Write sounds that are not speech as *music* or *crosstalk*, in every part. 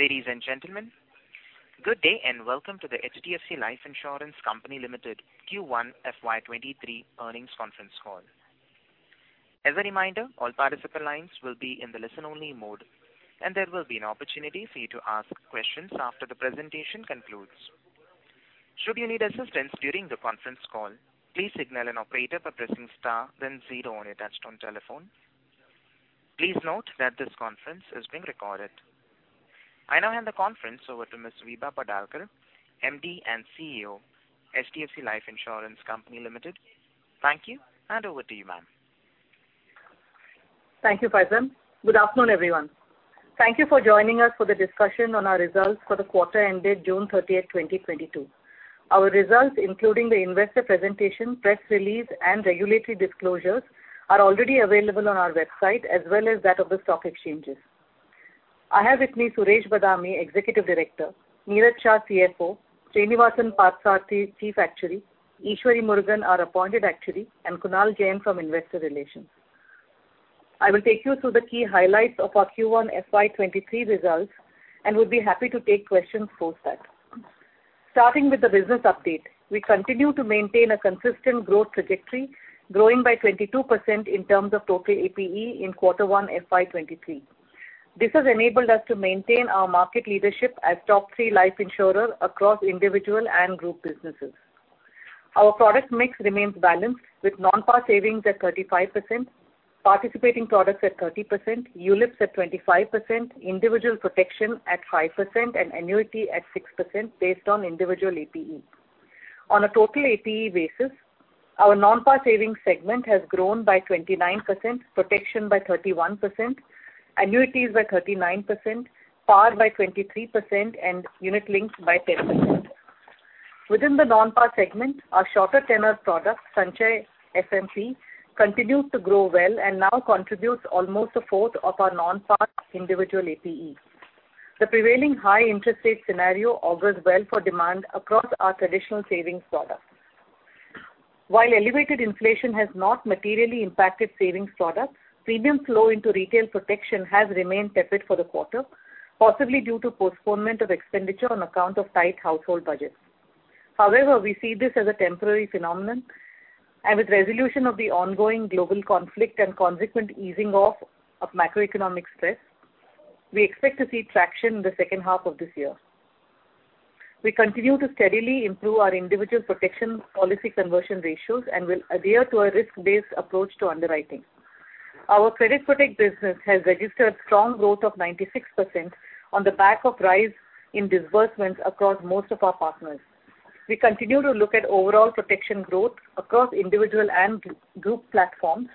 Ladies and gentlemen, good day, and welcome to the HDFC Life Insurance Company Limited Q1 FY 2023 Earnings Conference Call. As a reminder, all participant lines will be in the listen only mode, and there will be an opportunity for you to ask questions after the presentation concludes. Should you need assistance during the conference call, please signal an operator by pressing star then zero on your touchtone telephone. Please note that this conference is being recorded. I now hand the conference over to Ms. Vibha Padalkar, Managing Director and Chief Executive Officer, HDFC Life Insurance Company Limited. Thank you, and over to you, ma'am. Thank you, Faizan. Good afternoon, everyone. Thank you for joining us for the discussion on our results for the quarter ended June 30, 2022. Our results, including the investor presentation, press release, and regulatory disclosures are already available on our website as well as that of the stock exchanges. I have with me Suresh Badami, Executive Director, Niraj Shah, Chief Financial Officer, Srinivasan Parthasarathy, Chief Actuary, Eshwari Murugan, our Appointed Actuary, and Kunal Jain from Investor Relations. I will take you through the key highlights of our Q1 FY 2023 results and would be happy to take questions post that. Starting with the business update. We continue to maintain a consistent growth trajectory, growing by 22% in terms of total APE in quarter one, FY 2023. This has enabled us to maintain our market leadership as top three life insurer across individual and group businesses. Our product mix remains balanced with non-par savings at 35%, participating products at 30%, ULIPs at 25%, individual protection at 5%, and annuity at 6% based on individual APE. On a total APE basis, our non-par savings segment has grown by 29%, protection by 31%, annuities by 39%, par by 23%, and unit linked by 10%. Within the non-par segment, our shorter tenor product, Sanchay FMP, continues to grow well and now contributes almost a fourth of our non-par individual APE. The prevailing high interest rate scenario augurs well for demand across our traditional savings products. While elevated inflation has not materially impacted savings products, premium flow into retail protection has remained tepid for the quarter, possibly due to postponement of expenditure on account of tight household budgets. However, we see this as a temporary phenomenon, and with resolution of the ongoing global conflict and consequent easing off of macroeconomic stress, we expect to see traction in the second half of this year. We continue to steadily improve our individual protection policy conversion ratios and will adhere to a risk-based approach to underwriting. Our Credit Protect business has registered strong growth of 96% on the back of rise in disbursements across most of our partners. We continue to look at overall protection growth across individual and group platforms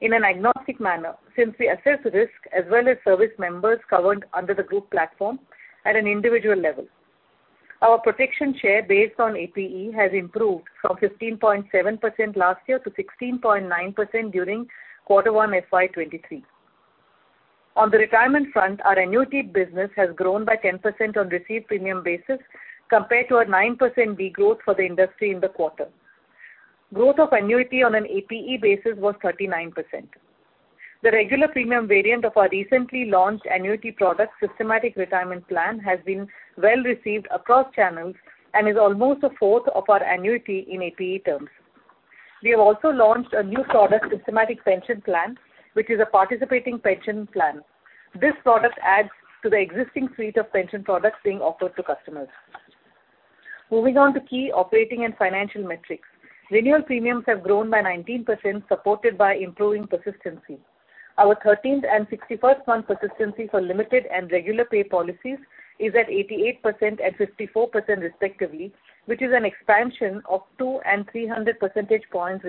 in an agnostic manner since we assess risk as well as serviced members covered under the group platform at an individual level. Our protection share based on APE has improved from 15.7% last year to 16.9% during quarter one, FY 2023. On the retirement front, our annuity business has grown by 10% on received premium basis compared to a 9% degrowth for the industry in the quarter. Growth of annuity on an APE basis was 39%. The regular premium variant of our recently launched annuity product, Systematic Retirement Plan, has been well received across channels and is almost a fourth of our annuity in APE terms. We have also launched a new product, Systematic Pension Plan, which is a participating pension plan. This product adds to the existing suite of pension products being offered to customers. Moving on to key operating and financial metrics. Renewal premiums have grown by 19%, supported by improving persistency. Our 13th and 61st month persistency for limited and regular pay policies is at 88% and 54% respectively, which is an expansion of 2 and 3 percentage points,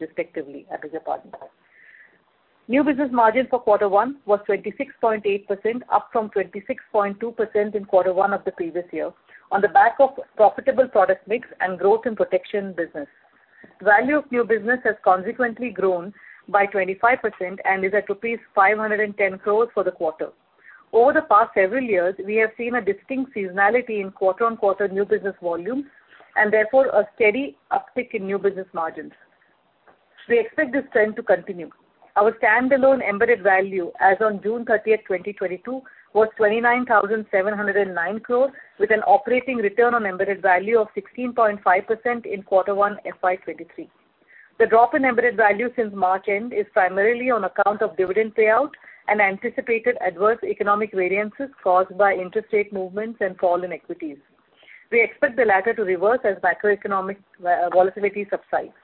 respectively. I beg your pardon. New business margin for quarter one was 26.8%, up from 26.2% in quarter one of the previous year on the back of profitable product mix and growth in protection business. Value of new business has consequently grown by 25% and is at rupees 510 crore for the quarter. Over the past several years, we have seen a distinct seasonality in quarter-on-quarter new business volumes and therefore a steady uptick in new business margins. We expect this trend to continue. Our standalone embedded value as on June 30th, 2022 was 29,709 crore with an operating return on embedded value of 16.5% in quarter one, FY 2023. The drop in embedded value since March end is primarily on account of dividend payout and anticipated adverse economic variances caused by interest rate movements and fall in equities. We expect the latter to reverse as macroeconomic volatility subsides.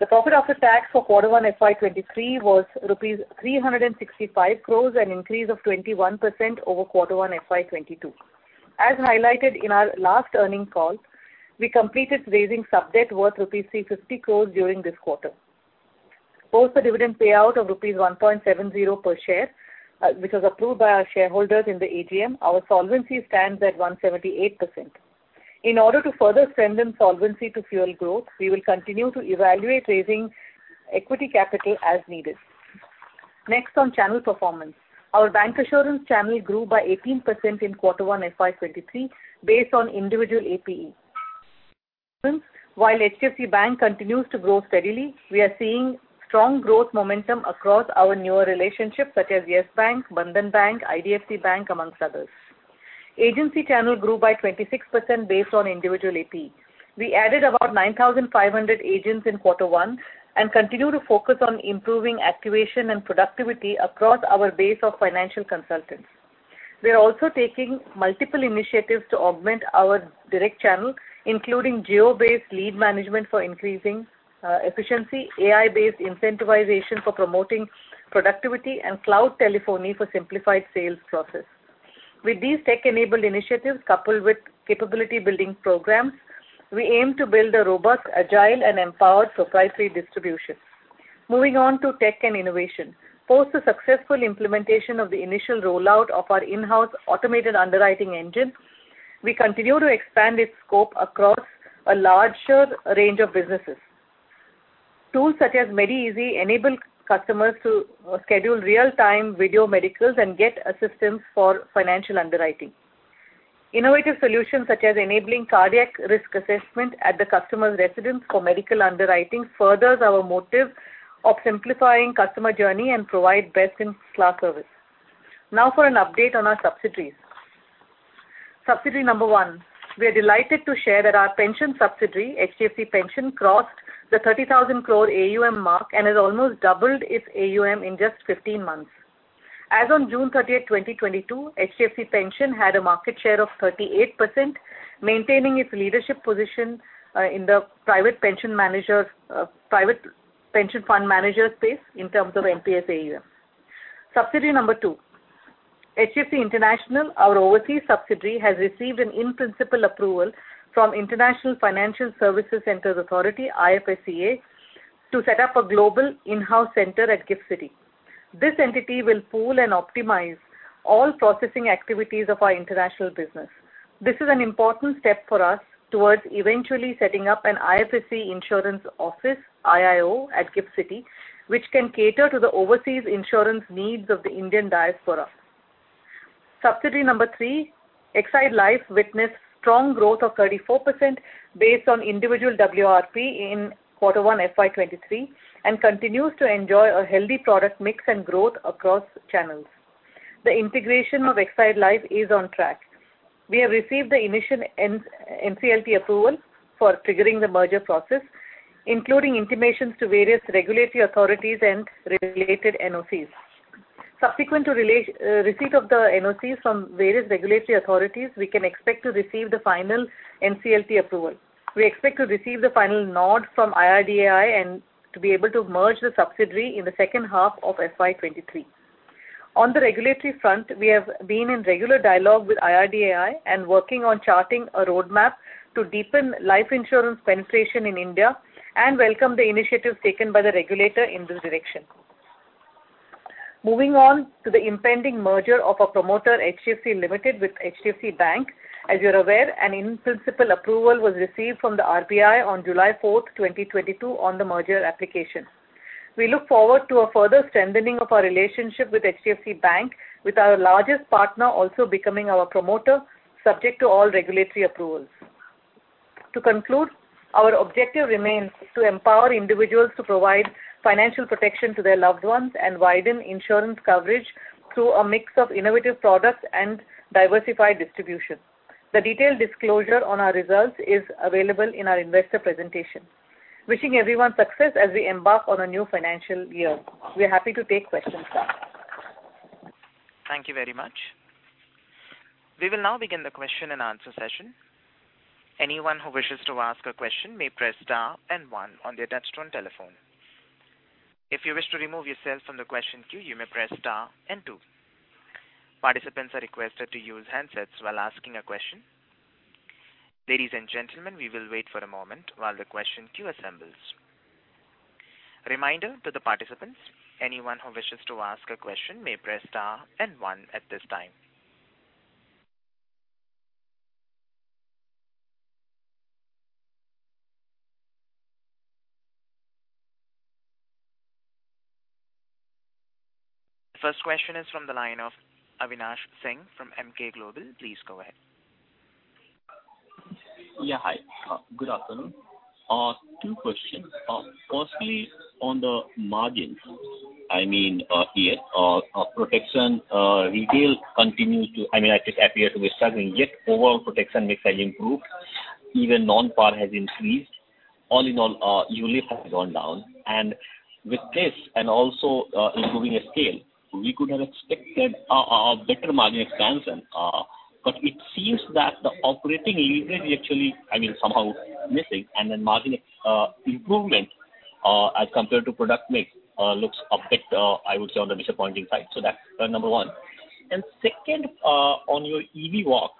The profit after tax for quarter one, FY 2023 was rupees 365 crore, an increase of 21% over quarter one, FY 2022. As highlighted in our last earnings call, we completed raising sub-debt worth rupees 350 crore during this quarter. Post the dividend payout of rupees 1.70 per share, which was approved by our shareholders in the AGM, our solvency stands at 178%. In order to further strengthen solvency to fuel growth, we will continue to evaluate raising equity capital as needed. Next on channel performance. Our bancassurance channel grew by 18% in quarter one, FY 2023, based on individual APE. While HDFC Bank continues to grow steadily, we are seeing strong growth momentum across our newer relationships such as Yes Bank, Bandhan Bank, IDFC Bank, among others. Agency channel grew by 26% based on individual APE. We added about 9,500 agents in quarter one and continue to focus on improving activation and productivity across our base of financial consultants. We are also taking multiple initiatives to augment our direct channel, including geo-based lead management for increasing efficiency, AI-based incentivization for promoting productivity and cloud telephony for simplified sales process. With these tech-enabled initiatives coupled with capability building programs, we aim to build a robust, agile and empowered proprietary distribution. Moving on to tech and innovation. Post the successful implementation of the initial rollout of our in-house automated underwriting engine, we continue to expand its scope across a larger range of businesses. Tools such as Medieasy enable customers to schedule real-time video medicals and get assistance for financial underwriting. Innovative solutions such as enabling cardiac risk assessment at the customer's residence for medical underwriting furthers our motive of simplifying customer journey and provide best-in-class service. Now for an update on our subsidiaries. Subsidiary number one: We are delighted to share that our pension subsidiary, HDFC Pension, crossed the 30,000 crore AUM mark and has almost doubled its AUM in just 15 months. As of June 30th, 2022, HDFC Pension had a market share of 38%, maintaining its leadership position in the private pension fund manager space in terms of NPS AUM. Subsidiary number two: HDFC International, our overseas subsidiary, has received an in-principle approval from International Financial Services Centres Authority (IFSCA) to set up a global in-house center at Gift City. This entity will pool and optimize all processing activities of our international business. This is an important step for us towards eventually setting up an IFSC Insurance Office, IIO, at Gift City, which can cater to the overseas insurance needs of the Indian diaspora. Subsidiary number three: Exide Life witnessed strong growth of 34% based on individual WRP in quarter one FY 2023 and continues to enjoy a healthy product mix and growth across channels. The integration of Exide Life is on track. We have received the initial NCLT approval for triggering the merger process, including intimations to various regulatory authorities and related NOCs. Subsequent to receipt of the NOCs from various regulatory authorities, we can expect to receive the final NCLT approval. We expect to receive the final nod from IRDAI and to be able to merge the subsidiary in the second half of FY 2023. On the regulatory front, we have been in regular dialogue with IRDAI and working on charting a roadmap to deepen life insurance penetration in India and welcome the initiatives taken by the regulator in this direction. Moving on to the impending merger of our promoter HDFC Limited with HDFC Bank. As you're aware, an in-principle approval was received from the RBI on July 4th, 2022, on the merger application. We look forward to a further strengthening of our relationship with HDFC Bank, with our largest partner also becoming our promoter, subject to all regulatory approvals. To conclude, our objective remains to empower individuals to provide financial protection to their loved ones and widen insurance coverage through a mix of innovative products and diversified distribution. The detailed disclosure on our results is available in our investor presentation. Wishing everyone success as we embark on a new financial year. We are happy to take questions now. Thank you very much. We will now begin the question and answer session. Anyone who wishes to ask a question may press star and one on their touch-tone telephone. If you wish to remove yourself from the question queue, you may press star and two. Participants are requested to use handsets while asking a question. Ladies and gentlemen, we will wait for a moment while the question queue assembles. Reminder to the participants, anyone who wishes to ask a question may press star and one at this time. The first question is from the line of Avinash Singh from Emkay Global. Please go ahead. Yeah. Hi. Good afternoon. Two questions. Firstly, on the margins, I mean, yeah, retail protection continues to I mean, I think appear to be struggling, yet overall protection mix has improved. Even non-par has increased. All in all, ULIP has gone down. With this and also improving scale, we could have expected a better margin expansion. But it seems that the operating leverage is actually, I mean, somehow missing and then margin improvement as compared to product mix looks a bit, I would say, on the disappointing side. That's number one. Second, on your EV walk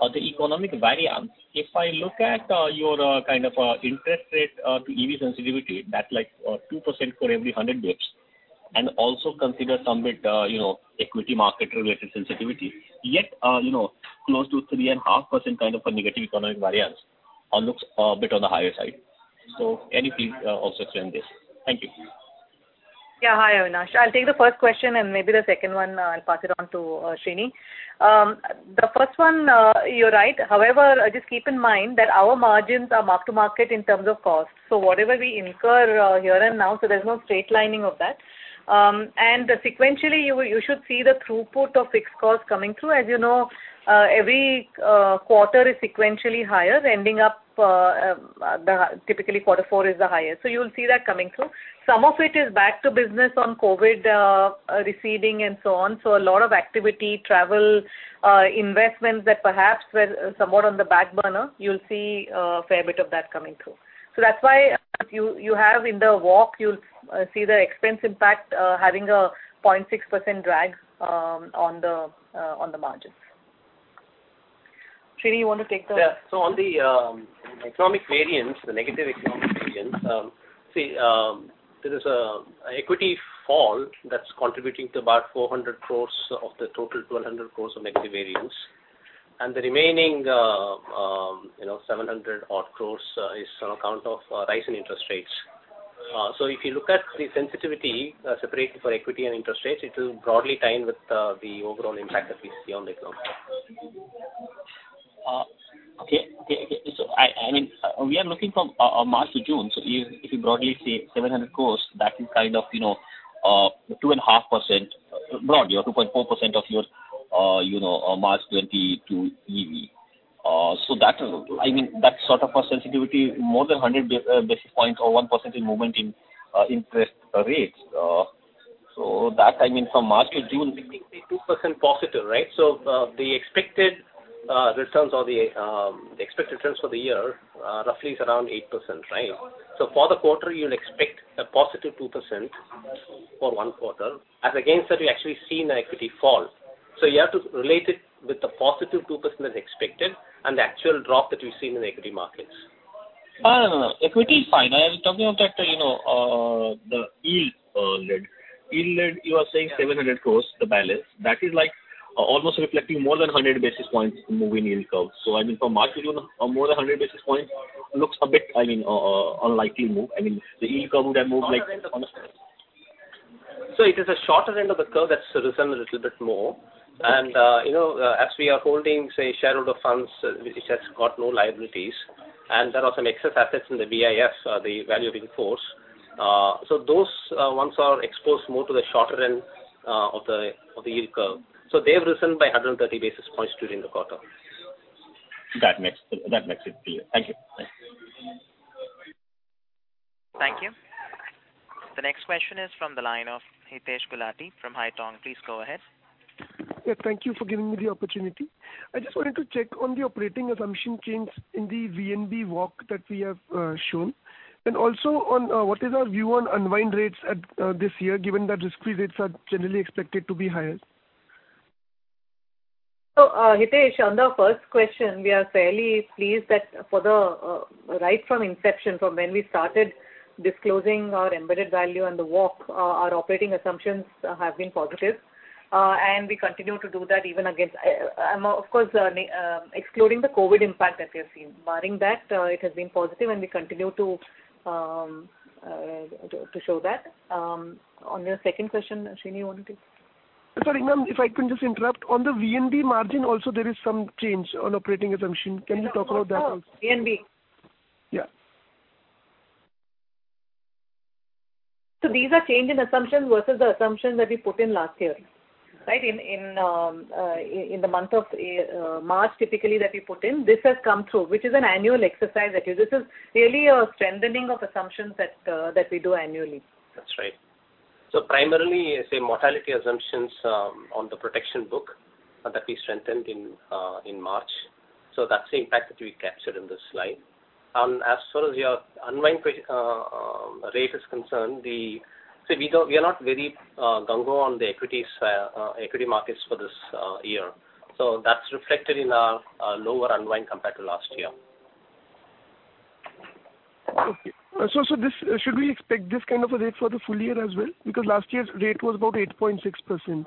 or the economic variance, if I look at your kind of interest rate to EV sensitivity, that's like 2% for every 100 bps, and also consider some bit, you know, equity market-related sensitivity, yet you know, close to 3.5% kind of a negative economic variance looks a bit on the higher side. Can you please also explain this? Thank you. Yeah. Hi, Avinash. I'll take the first question, and maybe the second one, I'll pass it on to Srini. The first one, you're right. However, just keep in mind that our margins are mark to market in terms of costs. So whatever we incur here and now, so there's no straight lining of that. Sequentially, you should see the throughput of fixed costs coming through. As you know, every quarter is sequentially higher, ending up typically quarter four is the highest. You'll see that coming through. Some of it is back to business on COVID receding and so on. A lot of activity, travel, investments that perhaps were somewhat on the back burner, you'll see a fair bit of that coming through. That's why you'll see in the walk the expense impact having a 0.6% drag on the margins. Srini, you want to take the Yeah. On the economic variance, the negative economic variance, there is equity fall that's contributing to about 400 crores of the total 1,200 crores of negative variance. The remaining, you know, seven hundred odd crores is on account of rise in interest rates. If you look at the sensitivity separated for equity and interest rates, it will broadly tie in with the overall impact that we see on the economic. Okay. I mean, we are looking from March to June. If you broadly say 700 crore, that is kind of, you know, 2.5% broadly or 2.4% of your March 2022 EV. That is a sensitivity more than 100 basis points or 1% in movement in interest rates. That, I mean, from March to June. 2% positive, right? The expected returns for the year roughly is around 8%, right? For the quarter, you'll expect a positive 2% for one quarter. As against that, we actually seen an equity fall. You have to relate it with the +2% as expected and the actual drop that we've seen in the equity markets. No, no. Equity is fine. I am talking of that, you know, the yield lead. Yield lead, you are saying 700 crore, the balance. That is like almost reflecting more than 100 basis points move in yield curve. I mean, from March to June, more than 100 basis points looks a bit, I mean, unlikely move. I mean, the yield curve would have moved like. It is a shorter end of the curve that's risen a little bit more. You know, as we are holding, say, shareholder funds, it has got no liabilities. There are some excess assets in the VIF, the value of in-force. Those ones are exposed more to the shorter end of the yield curve. They've risen by 130 basis points during the quarter. That makes it clear. Thank you. Thank you. The next question is from the line of Hitesh Gulati from Haitong. Please go ahead. Yeah, thank you for giving me the opportunity. I just wanted to check on the operating assumption change in the VNB walk that we have shown. Also on what is our view on unwind rates at this year, given that risk-free rates are generally expected to be higher? Hitesh, on the first question, we are fairly pleased that right from inception, from when we started disclosing our embedded value and the walk, our operating assumptions have been positive. We continue to do that even against. I'm of course excluding the COVID impact that we have seen. Barring that, it has been positive and we continue to show that. On your second question, Srini, you want to take? Sorry, ma'am, if I can just interrupt. On the VNB margin also there is some change in operating assumption. Can you talk about that also? VNB. Yeah. These are changes in assumptions versus the assumptions that we put in last year, right? In the month of March typically that we put in, this has come through, which is an annual exercise that is. This is really a strengthening of assumptions that we do annually. That's right. Primarily, say, mortality assumptions on the protection book that we strengthened in March. That's the impact that we captured in this slide. As far as your unwind rate is concerned, we are not very gung-ho on the equities, equity markets for this year. That's reflected in our lower unwind compared to last year. Should we expect this kind of a rate for the full year as well? Because last year's rate was about 8.6%.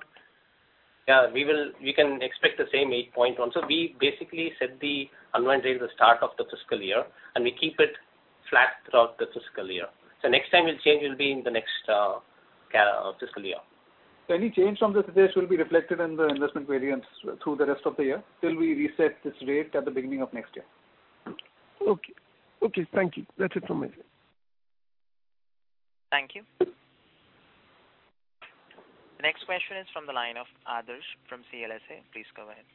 We can expect the same 8.1%. We basically set the unwind rate at the start of the fiscal year, and we keep it flat throughout the fiscal year. Next time it'll change will be in the next fiscal year. Any change from this today should be reflected in the investment variance through the rest of the year till we reset this rate at the beginning of next year. Okay. Okay. Thank you. That's it from my side. Thank you. The next question is from the line of Adarsh from CLSA. Please go ahead.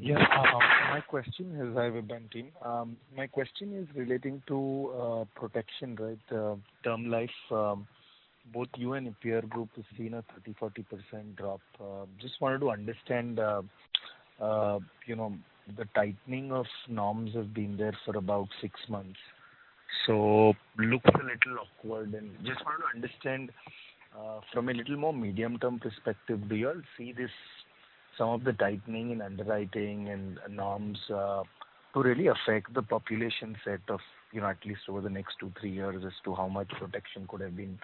My question is, Vibha and team. My question is relating to protection, right? Term life. Both you and your peer group has seen a 30%-40% drop. Just wanted to understand, you know, the tightening of norms has been there for about six months, so looks a little awkward. Just want to understand, from a little more medium-term perspective, do you all see this, some of the tightening in underwriting and norms, to really affect the population set of, you know, at least over the next two, three years as to how much protection could have been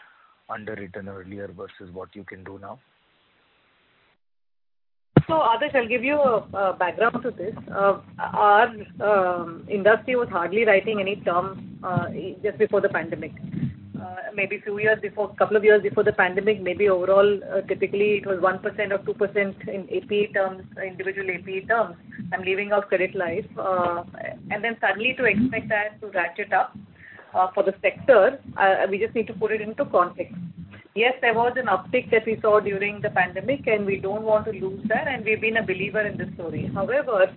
underwritten earlier versus what you can do now? Adarsh, I'll give you a background to this. Our industry was hardly writing any term insurance just before the pandemic. Couple of years before the pandemic, maybe overall, typically it was 1% or 2% in APE terms, individual APE terms. I'm leaving out credit life. Then suddenly to expect us to ratchet up for the sector, we just need to put it into context. Yes, there was an uptick that we saw during the pandemic, and we don't want to lose that, and we've been a believer in this story. However,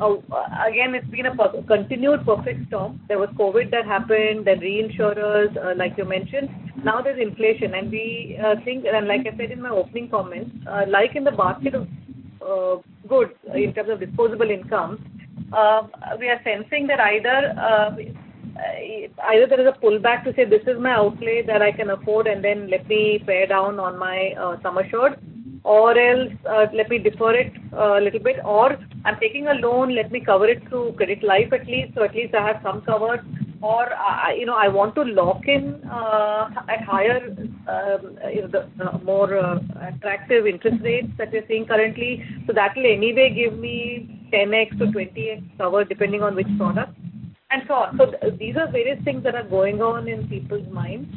again, it's been a continued perfect storm. There was COVID that happened, then reinsurers like you mentioned. Now there's inflation and we think and like I said in my opening comments, like in the basket of goods in terms of disposable income, we are sensing that either either there is a pullback to say, "This is my outlay that I can afford, and then let me pare down on my summer shirts," or else, "Let me defer it a little bit," or, "I'm taking a loan, let me cover it through credit life at least, so at least I have some cover." Or, you know, "I want to lock in a higher, you know, the more attractive interest rates that we're seeing currently, so that will anyway give me 10x to 20x cover depending on which product," and so on. These are various things that are going on in people's minds.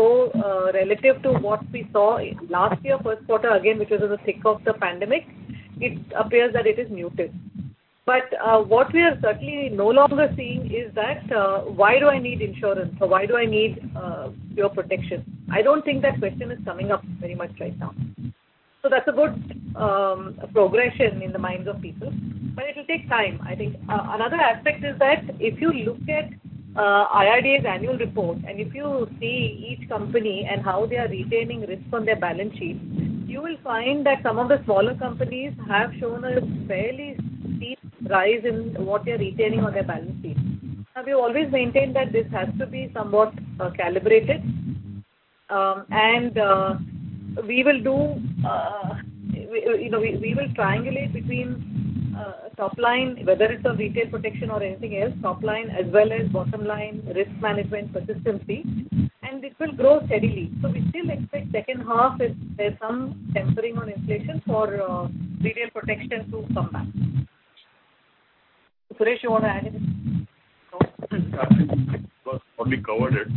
Relative to what we saw last year, first quarter, again, which was in the thick of the pandemic, it appears that it is muted. What we are certainly no longer seeing is that, why do I need insurance or why do I need, your protection? I don't think that question is coming up very much right now. That's a good, progression in the minds of people, but it will take time, I think. Another aspect is that if you look at, IRDAI's annual report, and if you see each company and how they are retaining risk on their balance sheet, you will find that some of the smaller companies have shown a fairly steep rise in what they are retaining on their balance sheet. Now, we always maintain that this has to be somewhat, calibrated. We will do, you know, we will triangulate between top line, whether it's of retail protection or anything else, top line as well as bottom line risk management persistency, and this will grow steadily. We still expect second half if there's some tempering on inflation for retail protection to come back. Suresh, you want to add anything? No. I think Vibha has probably covered it.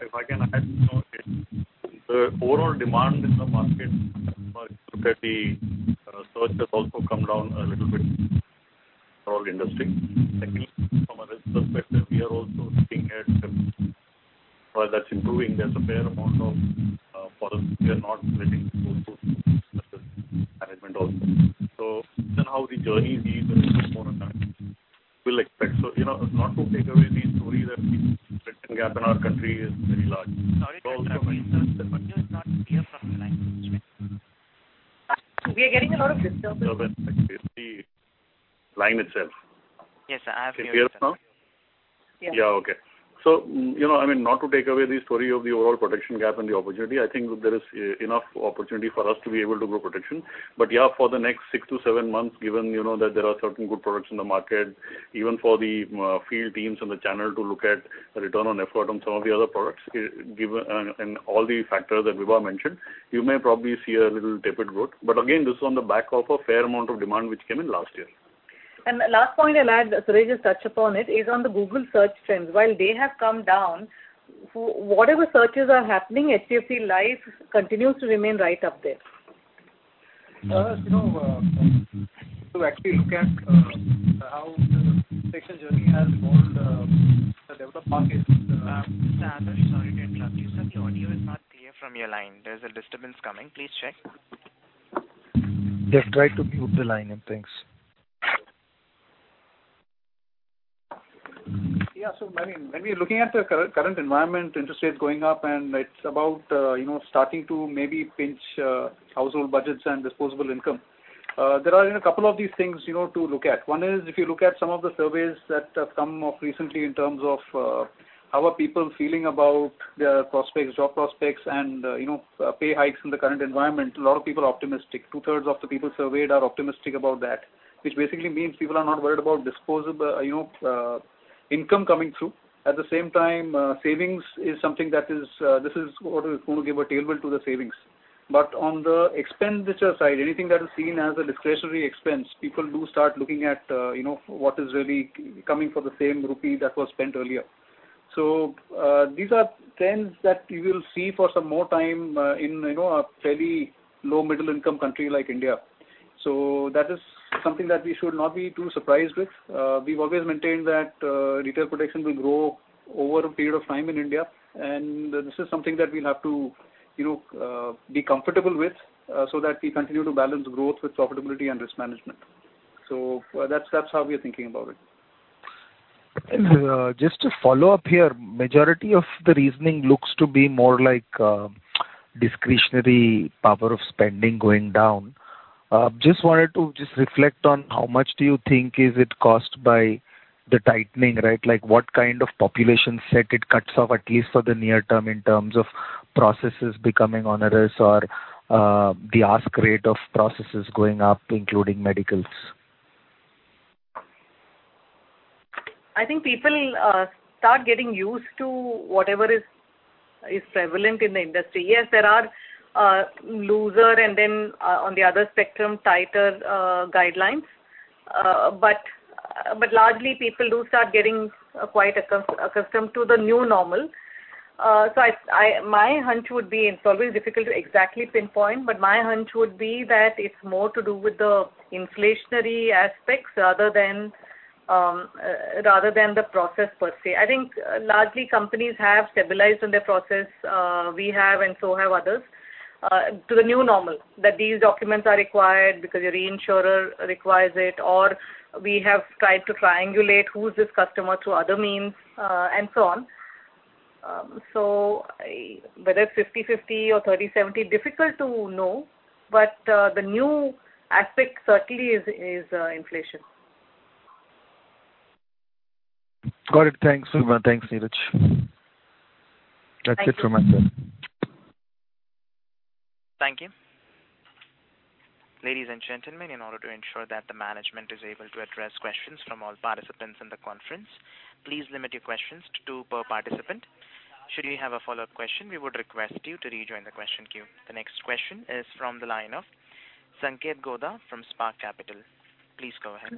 If I can add, you know, the overall demand in the market for the sector has also come down a little bit for all industries. Secondly, from a risk perspective, we are also looking at whether that's improving. There's a fair amount of products we are not letting go through management also. How the journey is more on that we'll expect. You know, not to take away the story that the gap in our country is very large. Sorry to interrupt you, sir. You're not clear from the line. We are getting a lot of disturbance. Disturbance, actually it's the line itself. Yes, sir. I am hearing, sir. It's clear now? Yes. Yeah. Okay. You know, I mean, not to take away the story of the overall protection gap and the opportunity, I think there is enough opportunity for us to be able to grow protection. Yeah, for the next 6-7 months, given, you know, that there are certain good products in the market, even for the field teams and the channel to look at return on effort on some of the other products, and all the factors that Vibha mentioned, you may probably see a little tepid growth. Again, this is on the back of a fair amount of demand which came in last year. The last point I'll add, Suresh has touched upon it, is on the Google search trends. While they have come down, whatever searches are happening, HDFC Life continues to remain right up there. You know, to actually look at how the protection journey has evolved, the developed markets. Sir Adarsh, sorry to interrupt you, sir. The audio is not clear from your line. There's a disturbance coming. Please check. Yes, try to mute the line and things. Yeah. I mean, when we're looking at the current environment, interest rates going up and it's about, you know, starting to maybe pinch, household budgets and disposable income, there are, you know, a couple of these things, you know, to look at. One is if you look at some of the surveys that have come up recently in terms of, how are people feeling about their prospects, job prospects and, you know, pay hikes in the current environment, a lot of people are optimistic. Two-thirds of the people surveyed are optimistic about that, which basically means people are not worried about disposable, you know, income coming through. At the same time, savings is something that is, this is what is going to give a tailwind to the savings. On the expenditure side, anything that is seen as a discretionary expense, people do start looking at, you know, what is really coming for the same rupee that was spent earlier. These are trends that you will see for some more time, in, you know, a fairly low middle income country like India. That is something that we should not be too surprised with. We've always maintained that retail protection will grow over a period of time in India. This is something that we'll have to, you know, be comfortable with, so that we continue to balance growth with profitability and risk management. That's how we are thinking about it. Just to follow up here, majority of the reasoning looks to be more like discretionary power of spending going down. Just wanted to just reflect on how much do you think is it caused by the tightening, right? Like, what kind of population set it cuts off, at least for the near term, in terms of processes becoming onerous or the ask rate of processes going up, including medicals? I think people start getting used to whatever is prevalent in the industry. Yes, there are looser and then on the other spectrum tighter guidelines. Largely people do start getting quite accustomed to the new normal. My hunch would be, it's always difficult to exactly pinpoint, but my hunch would be that it's more to do with the inflationary aspects rather than the process per se. I think largely companies have stabilized in their process, we have and so have others, to the new normal. That these documents are required because your reinsurer requires it, or we have tried to triangulate who's this customer through other means, and so on. Whether it's 50-50 or 30-70, difficult to know, but the new aspect certainly is inflation. Got it. Thanks, Vibha. Thanks, Niraj. Thank you. That's it from myself. Thank you. Ladies and gentlemen, in order to ensure that the management is able to address questions from all participants in the conference, please limit your questions to two per participant. Should you have a follow-up question, we would request you to rejoin the question queue. The next question is from the line of Sanketh Godha from Spark Capital. Please go ahead.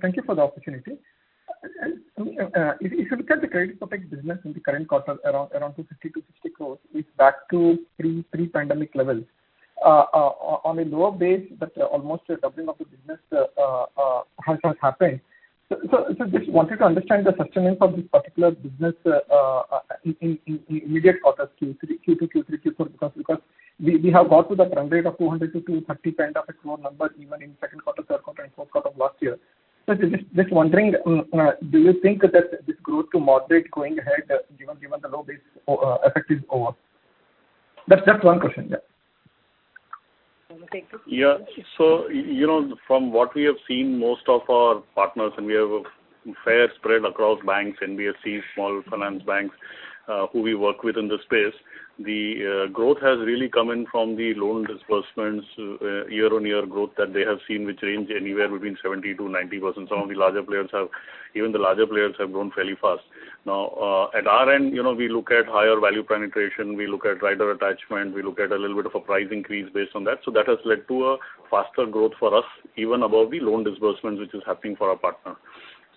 Thank you for the opportunity. If you look at the Credit Protect business in the current quarter around 250-260 crore is back to pre-pandemic levels. On a lower base, but almost a doubling of the business has happened. So just wanted to understand the sustenance of this particular business in immediate quarters, Q2, Q3, Q4 because we have got to the trend rate of 200%-230% of its core numbers even in second quarter, third quarter, and fourth quarter of last year. Just wondering, do you think that this growth to moderate going ahead, given the low base effect is over? That's just one question. You take this. Yeah. You know, from what we have seen most of our partners and we have a fair spread across banks, NBFCs, small finance banks, who we work with in this space. The growth has really come in from the loan disbursements, year-on-year growth that they have seen which range anywhere between 70%-90%. Even the larger players have grown fairly fast. Now, at our end, you know, we look at higher value penetration, we look at rider attachment, we look at a little bit of a price increase based on that. That has led to a faster growth for us, even above the loan disbursement which is happening for our partner.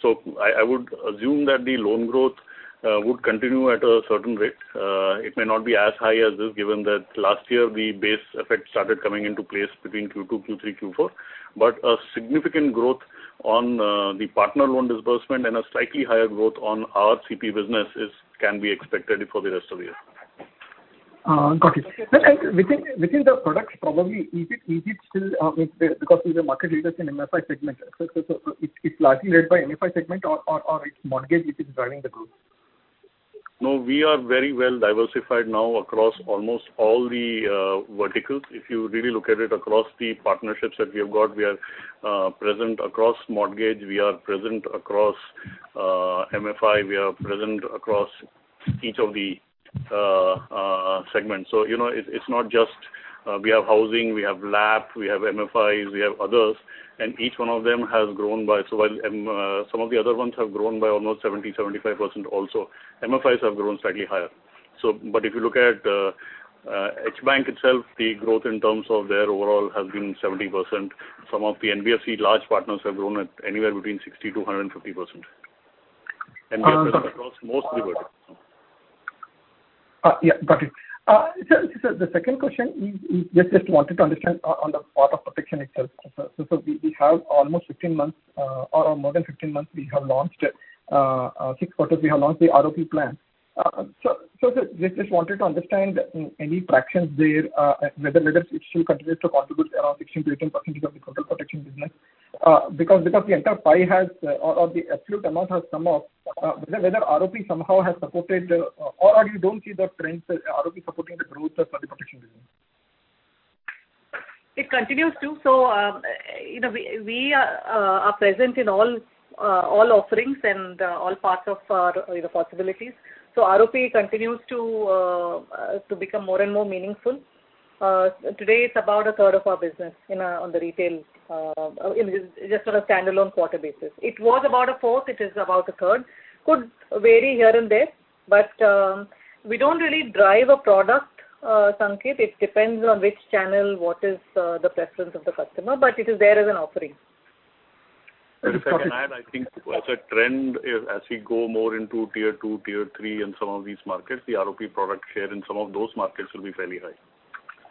I would assume that the loan growth would continue at a certain rate. It may not be as high as this given that last year the base effect started coming into place between Q2, Q3, Q4. A significant growth on the partner loan disbursement and a slightly higher growth on our CP business can be expected for the rest of the year. Got it. Sir, within the products probably is it still because you're the market leader in MFI segment. It's largely led by MFI segment or it's mortgage which is driving the growth? No, we are very well diversified now across almost all the verticals. If you really look at it across the partnerships that we have got, we are present across mortgage, we are present across MFI, we are present across each of the segments. You know, it's not just we have housing, we have lab, we have MFIs, we have others, and each one of them has grown. While some of the other ones have grown by almost 70%-75% also. MFIs have grown slightly higher. If you look at HDFC Bank itself, the growth in terms of their overall has been 70%. Some of the NBFC large partners have grown at anywhere between 60%-150%. Um- NBFCs across most of the verticals. Yeah. Got it. Sir, the second question is just wanted to understand on the part of protection itself. So we have almost 15 months, or more than 15 months we have launched six quarters we have launched the ROP plan. So sir just wanted to understand any traction there, whether it still continues to contribute around 16%-18% of the total protection business. Because the entire pie has, or the absolute amount has some of, whether ROP somehow has supported or you don't see that trend, ROP supporting the growth of the protection business. It continues to. You know, we are present in all offerings and all parts of our, you know, possibilities. ROP continues to become more and more meaningful. Today it's about a third of our business in the retail, just on a standalone quarter basis. It was about a fourth, it is about a third. Could vary here and there, but we don't really drive a product, Sanket. It depends on which channel, what is the preference of the customer, but it is there as an offering. If I can add, I think as a trend, as we go more into tier two, tier three in some of these markets, the ROP product share in some of those markets will be fairly high.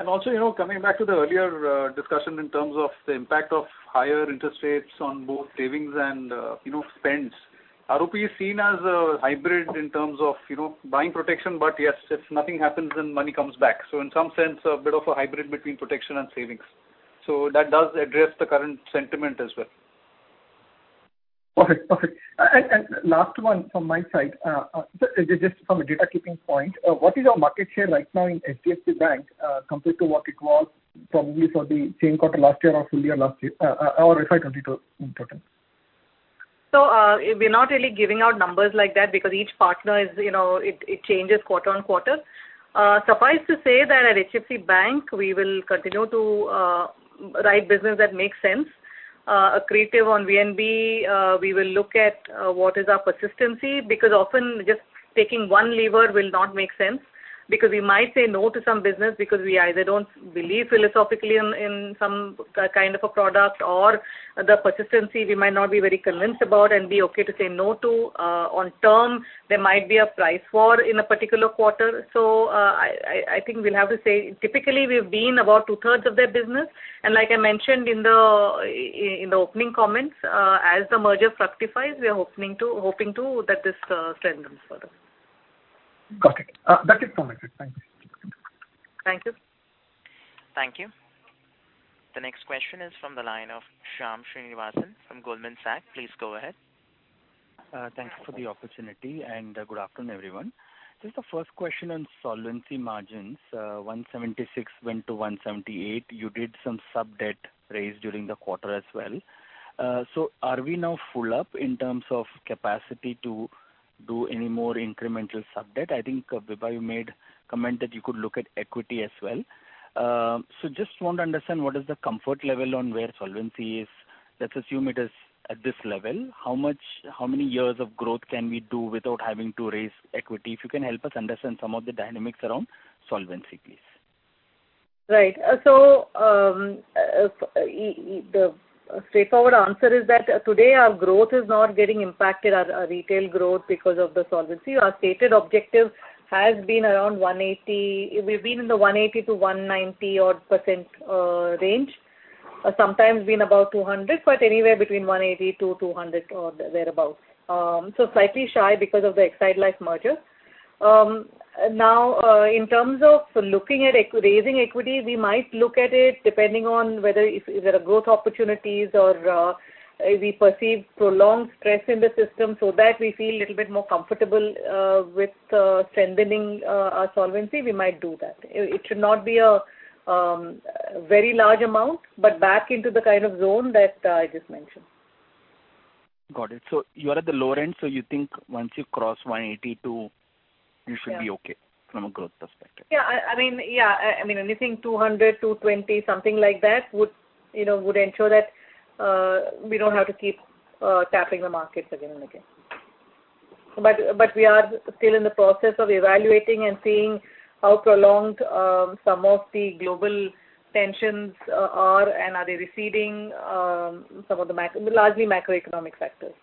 You know, coming back to the earlier discussion in terms of the impact of higher interest rates on both savings and, you know, spends. ROP is seen as a hybrid in terms of, you know, buying protection, but yes, if nothing happens then money comes back. In some sense a bit of a hybrid between protection and savings. That does address the current sentiment as well. Perfect. Last one from my side. Sir, just from a data keeping point, what is our market share right now in HDFC Bank, compared to what it was probably for the same quarter last year or full year last year, or FY 2022 in total? We're not really giving out numbers like that because each partner is, you know, it changes quarter-on-quarter. Suffice to say that at HDFC Bank, we will continue to write business that makes sense. Accretive on VNB, we will look at what is our persistency because often just taking one lever will not make sense because we might say no to some business because we either don't believe philosophically in some kind of a product or the persistency we might not be very convinced about and be okay to say no to. On term, there might be a price war in a particular quarter. I think we'll have to say typically we've been about two-thirds of their business, and like I mentioned in the opening comments, as the merger fructifies, we are hoping to that this strengthens further. Got it. That is commented. Thank you. Thank you. Thank you. The next question is from the line of Shyam Srinivasan from Goldman Sachs. Please go ahead. Thanks for the opportunity, and good afternoon, everyone. Just the first question on solvency margins. 176% went to 178%. You did some sub-debt raise during the quarter as well. Are we now full up in terms of capacity to do any more incremental sub-debt? I think Vibha, you made comment that you could look at equity as well. Just want to understand what is the comfort level on where solvency is. Let's assume it is at this level. How much, how many years of growth can we do without having to raise equity? If you can help us understand some of the dynamics around solvency, please. Right. The straightforward answer is that today our growth is not getting impacted, our retail growth because of the solvency. Our stated objective has been around 180. We've been in the 180%-190% odd range. Sometimes been above 200%, but anywhere between 180%-200% or thereabout. Slightly shy because of the Exide Life merger. Now, in terms of looking at raising equity, we might look at it depending on whether if there are growth opportunities or we perceive prolonged stress in the system so that we feel a little bit more comfortable with strengthening our solvency, we might do that. It should not be a very large amount, but back into the kind of zone that I just mentioned. Got it. You are at the lower end, so you think once you cross 182 you should be okay from a growth perspective? Yeah. I mean, anything 200%-220%, something like that would, you know, ensure that we don't have to keep tapping the markets again and again. We are still in the process of evaluating and seeing how prolonged some of the global tensions are and are they receding, some of the largely macroeconomic factors.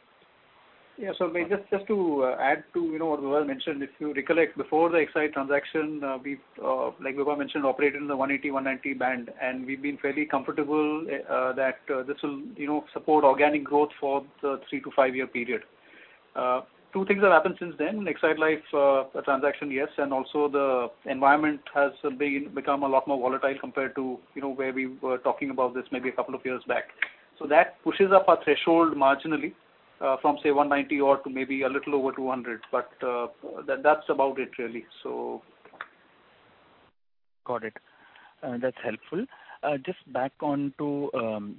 Yeah. Maybe just to add to, you know, what Vibha mentioned, if you recollect before the Exide transaction, we've, like Vibha mentioned, operated in the 180%-190% band, and we've been fairly comfortable that this will, you know, support organic growth for the 3- to 5-year period. Two things have happened since then. Exide Life transaction, yes, and also the environment has become a lot more volatile compared to, you know, where we were talking about this maybe a couple of years back. That pushes up our threshold marginally from say 190% odd to maybe a little over 200%. But that's about it really. Got it. That's helpful. Just back onto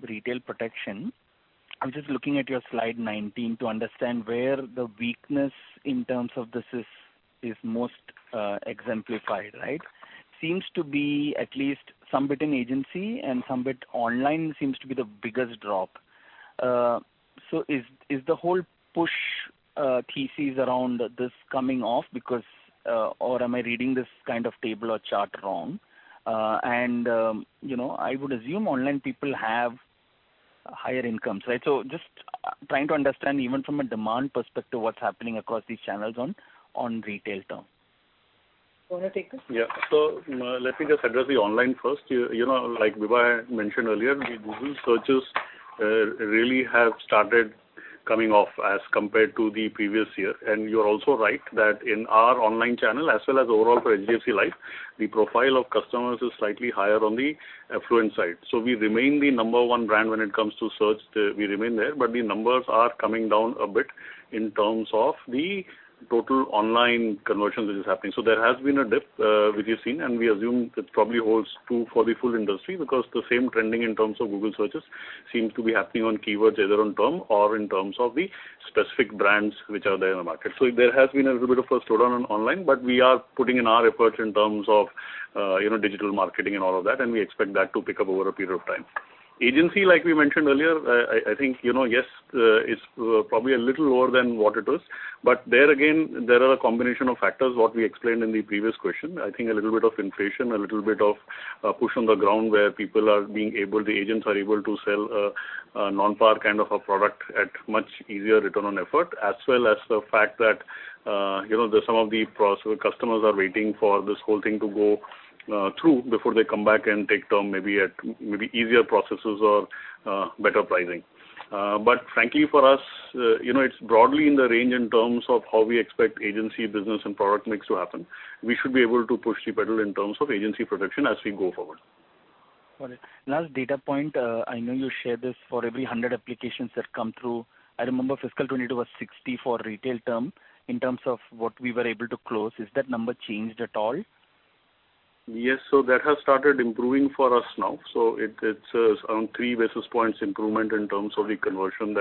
retail protection. I'm just looking at your slide 19 to understand where the weakness in terms of this is most exemplified, right? Seems to be at least some bit in agency and some bit online seems to be the biggest drop. So is the whole push thesis around this coming off because, or am I reading this kind of table or chart wrong? You know, I would assume online people have higher incomes, right? So just trying to understand even from a demand perspective, what's happening across these channels on retail term. You want to take this? Yeah. Let me just address the online first. You know, like Vibha mentioned earlier, the Google searches really have started coming off as compared to the previous year. You're also right that in our online channel as well as overall for HDFC Life, the profile of customers is slightly higher on the affluent side. We remain the number one brand when it comes to search. We remain there, but the numbers are coming down a bit in terms of the total online conversion that is happening. There has been a dip, which you've seen, and we assume it probably holds true for the full industry because the same trending in terms of Google searches seems to be happening on keywords either on term or in terms of the specific brands which are there in the market. There has been a little bit of a slowdown on online, but we are putting in our efforts in terms of, you know, digital marketing and all of that, and we expect that to pick up over a period of time. Agency, like we mentioned earlier, I think, you know, yes, it's probably a little lower than what it was, but there again, there are a combination of factors, what we explained in the previous question. I think a little bit of inflation, a little bit of push on the ground where people are being able, the agents are able to sell a non-par kind of a product at much easier return on effort, as well as the fact that, you know, some of the customers are waiting for this whole thing to go through before they come back and take term maybe at easier processes or better pricing. Frankly for us, you know, it's broadly in the range in terms of how we expect agency business and product mix to happen. We should be able to push the pedal in terms of agency production as we go forward. Got it. Last data point, I know you share this for every 100 applications that come through. I remember fiscal 2022 was 60 for retail term in terms of what we were able to close. Is that number changed at all? Yes. That has started improving for us now. It is around 3 basis points improvement in terms of the conversion,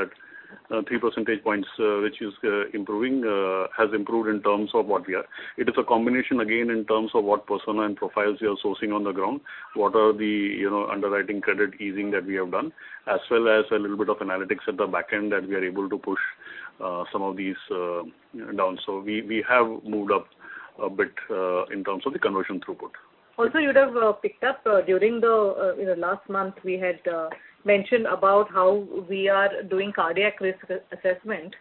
3 percentage points, which has improved in terms of what we are. It is a combination again, in terms of what personas and profiles we are sourcing on the ground, what are the, you know, underwriting criteria easing that we have done, as well as a little bit of analytics at the back end that we are able to push some of these down. We have moved up a bit in terms of the conversion throughput. Also, you would have picked up during the, you know, last month we had mentioned about how we are doing cardiac risk assessment.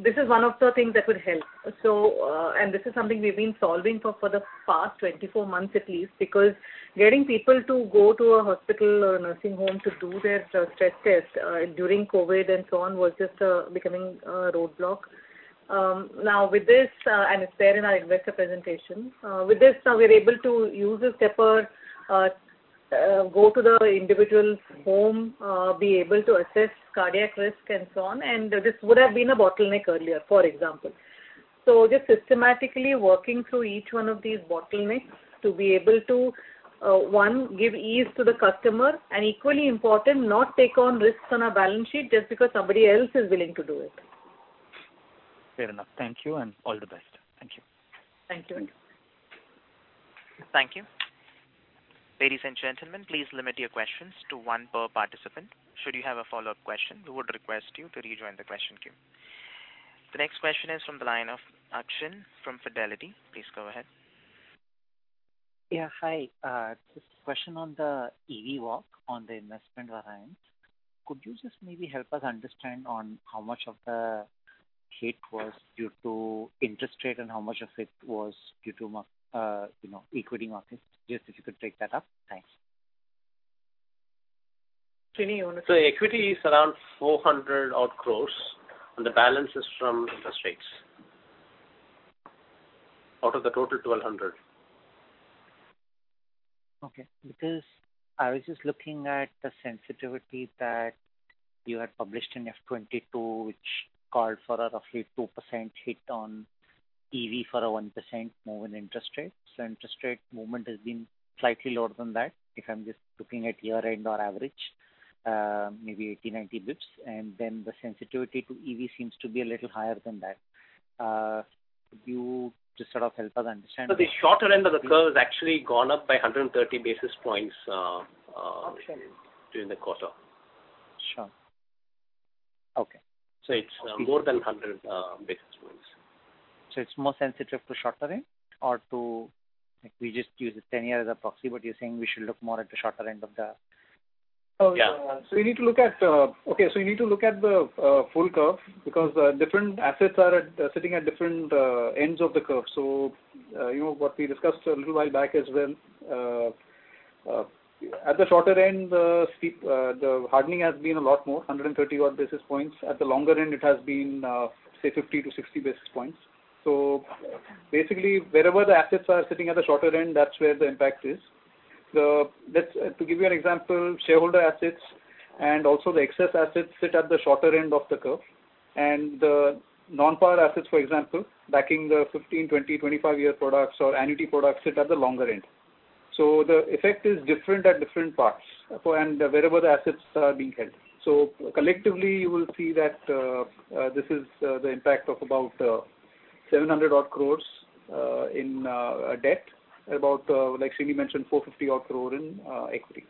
This is one of the things that would help. This is something we've been solving for the past 24 months at least because getting people to go to a hospital or nursing home to do their stress test during COVID and so on was just becoming a roadblock. Now with this, and it's there in our investor presentation. With this now we're able to use a stepper, go to the individual's home, be able to assess cardiac risk and so on. This would have been a bottleneck earlier, for example. Just systematically working through each one of these bottlenecks to be able to, one, give ease to the customer, and equally important, not take on risks on our balance sheet just because somebody else is willing to do it. Fair enough. Thank you and all the best. Thank you. Thank you. Thank you. Ladies and gentlemen, please limit your questions to one per participant. Should you have a follow-up question, we would request you to rejoin the question queue. The next question is from the line of Akshen Thakkar from Fidelity. Please go ahead. Yeah. Hi. Just a question on the EV walk on the investment variance. Could you just maybe help us understand on how much of the hit was due to interest rate and how much of it was due to you know, equity markets? Just if you could take that up. Thanks. Srini, you want to. Equity is around 400 odd crore and the balance is from interest rates. Out of the total 1,200. Okay. Because I was just looking at the sensitivity that you had published in FY 2022, which called for a roughly 2% hit on EV for a 1% move in interest rates. Interest rate movement has been slightly lower than that, if I'm just looking at year-end or average, maybe 80-90 basis points, and then the sensitivity to EV seems to be a little higher than that. Could you just sort of help us understand that? The shorter end of the curve has actually gone up by 130 basis points. Okay. During the quarter. Sure. Okay. It's more than 100 basis points. It's more sensitive to shorter end like we just use this 10-year as a proxy, but you're saying we should look more at the shorter end of the. Yeah. You need to look at the full curve because different assets are sitting at different ends of the curve. You know, what we discussed a little while back as well, at the shorter end, the steep, the hardening has been a lot more, 130 odd basis points. At the longer end, it has been, say 50-60 basis points. Basically wherever the assets are sitting at the shorter end, that's where the impact is. To give you an example, shareholder assets and also the excess assets sit at the shorter end of the curve. The non-par assets, for example, backing the 15, 20, 25 year products or annuity products sit at the longer end. The effect is different at different parts of the portfolio and wherever the assets are being held. Collectively, you will see that this is the impact of about 700 odd crores in debt, about, like Srini mentioned, 450 odd crore in equity.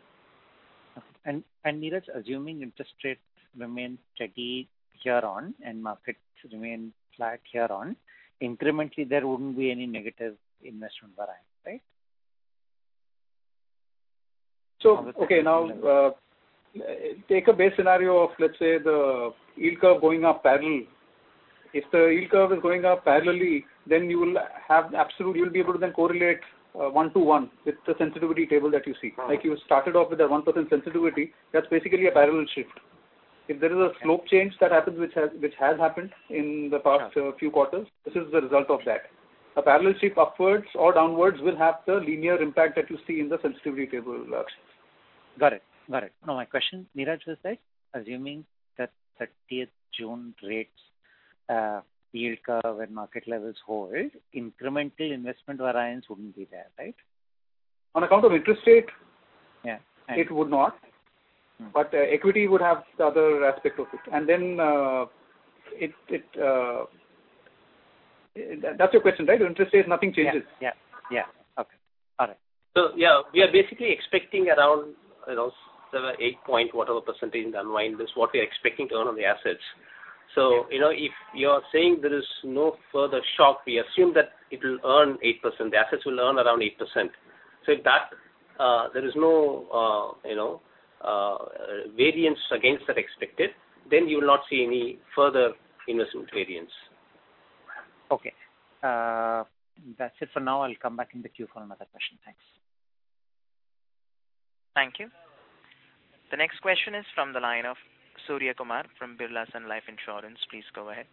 Niraj, assuming interest rates remain steady here on and markets remain flat here on, incrementally there wouldn't be any negative investment variance, right? Take a base scenario of, let's say, the yield curve going up parallel. If the yield curve is going up parallelly, then you will have absolute, you'll be able to then correlate, one-to-one with the sensitivity table that you see. Mm-hmm. Like you started off with a 1% sensitivity, that's basically a parallel shift. If there is a slope change that happens, which has happened in the past few quarters, this is the result of that. A parallel shift upwards or downwards will have the linear impact that you see in the sensitivity table. Got it. No, my question, Niraj, was that assuming that thirtieth June rates, yield curve and market levels hold, incremental investment variance wouldn't be there, right? On account of interest rate. Yeah. It would not. Mm-hmm. Equity would have the other aspect of it. That's your question, right? Your interest rate nothing changes. Yeah. Okay. All right. Yeah, we are basically expecting around, you know, 7, 8 point whatever percentage unwind is what we are expecting to earn on the assets. You know, if you are saying there is no further shock, we assume that it will earn 8%. The assets will earn around 8%. If there is no, you know, variance against that expected, then you will not see any further investment variance. Okay. That's it for now. I'll come back in the queue for another question. Thanks. Thank you. The next question is from the line of Surya Kumar from Aditya Birla Sun Life Insurance. Please go ahead.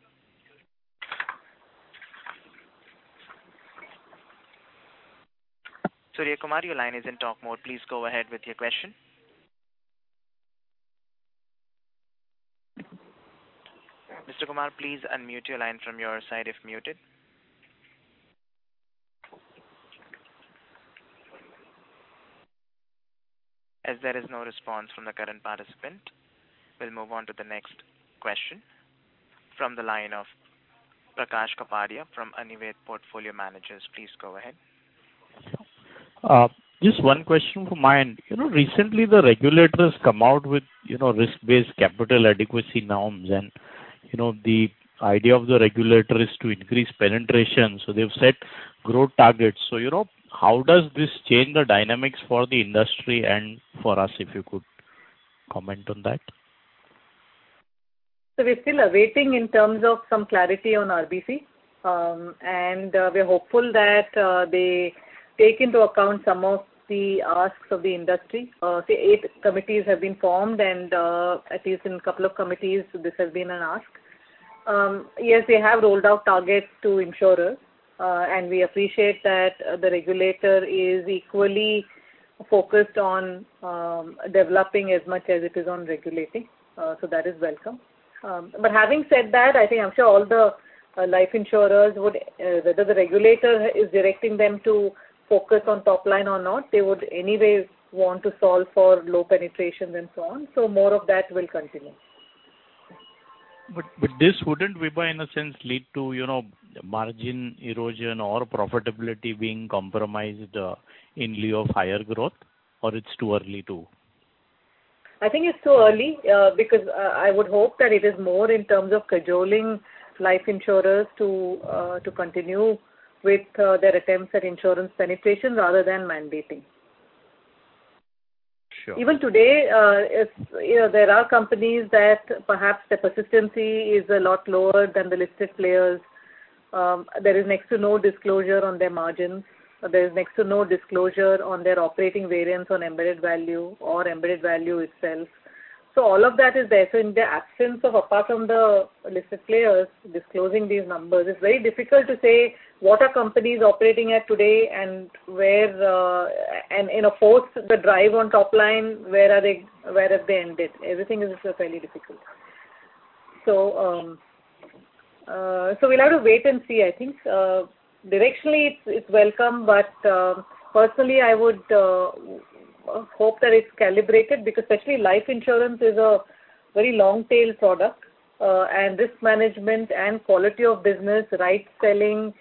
Surya Kumar, your line is in talk mode. Please go ahead with your question. Mr. Kumar, please unmute your line from your side if muted. As there is no response from the current participant, we'll move on to the next question from the line of Prakash Kapadia from Anived Portfolio Managers. Please go ahead. Just one question from my end. You know, recently the regulators come out with, you know, risk-based capital adequacy norms and, you know, the idea of the regulator is to increase penetration, so they've set growth targets. You know, how does this change the dynamics for the industry and for us, if you could comment on that? We're still awaiting in terms of some clarity on RBC, and we're hopeful that they take into account some of the asks of the industry. Say eight committees have been formed and, at least in a couple of committees this has been an ask. Yes, they have rolled out targets to insurers, and we appreciate that the regulator is equally focused on developing as much as it is on regulating. That is welcome. Having said that, I think I'm sure all the life insurers would, whether the regulator is directing them to focus on top line or not, they would anyway want to solve for low penetrations and so on, more of that will continue. this wouldn't, Vibha, in a sense lead to, you know, margin erosion or profitability being compromised, in lieu of higher growth or it's too early to? I think it's too early, because I would hope that it is more in terms of cajoling life insurers to continue with their attempts at insurance penetration rather than mandating. Sure. Even today, it's, you know, there are companies that perhaps the persistency is a lot lower than the listed players. There is next to no disclosure on their margins. There is next to no disclosure on their operating variance on embedded value or embedded value itself. All of that is there. In the absence of apart from the listed players disclosing these numbers, it's very difficult to say what are companies operating at today and where, and in a post the drive on top line, where are they, where have they ended? Everything is fairly difficult. We'll have to wait and see I think. Directionally it's welcome, but personally, I would hope that it's calibrated because especially life insurance is a very long tail product, and risk management and quality of business, right selling,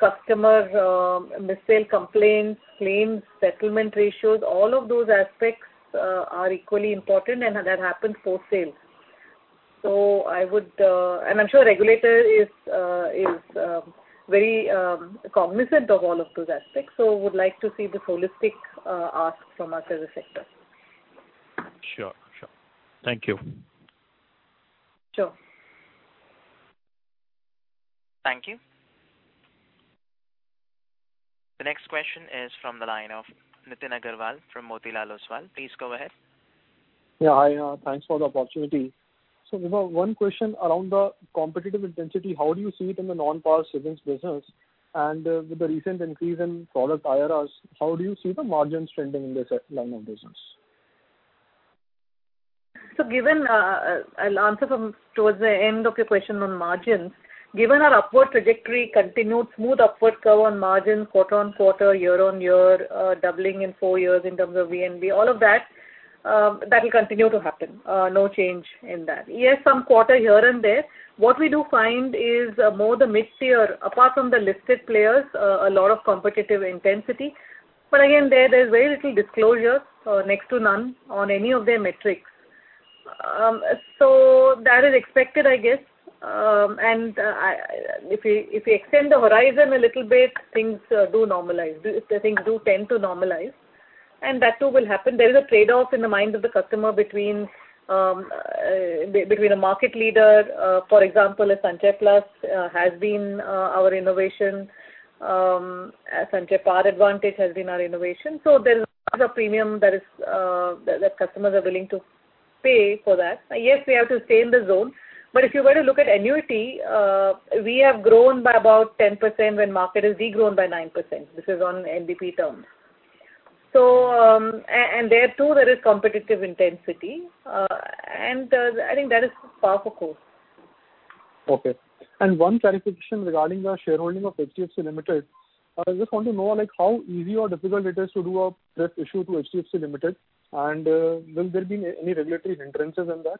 customer mis-sale complaints, claims, settlement ratios, all of those aspects are equally important and that happens post-sale. I would and I'm sure regulator is very cognizant of all of those aspects, so would like to see this holistic ask from us as a sector. Sure. Thank you. Sure. Thank you. The next question is from the line of Nitin Aggarwal from Motilal Oswal. Please go ahead. Yeah, hi. Thanks for the opportunity. Vibha, one question around the competitive intensity. How do you see it in the non-par savings business? With the recent increase in product IRRs, how do you see the margins trending in this line of business? Given, I'll answer from towards the end of your question on margins. Given our upward trajectory continued smooth upward curve on margins quarter on quarter, year on year, doubling in four years in terms of VNB, all of that will continue to happen. No change in that. Yes, some quarter here and there. What we do find is more the mid-tier, apart from the listed players, a lot of competitive intensity. But again, there's very little disclosure or next to none on any of their metrics. That is expected, I guess. If you extend the horizon a little bit, things do normalize. The things do tend to normalize, and that too will happen. There is a trade-off in the mind of the customer between a market leader, for example, a Sanchay Plus has been our innovation. Sanchay Par Advantage has been our innovation. There is a premium that customers are willing to pay for that. Yes, we have to stay in the zone. If you were to look at annuity, we have grown by about 10% when market is de-grown by 9%. This is on NBP terms. And there too, there is competitive intensity. I think that is par for course. Okay. One clarification regarding the shareholding of HDFC Limited. I just want to know like how easy or difficult it is to do a direct issue to HDFC Limited and will there be any regulatory hindrances in that?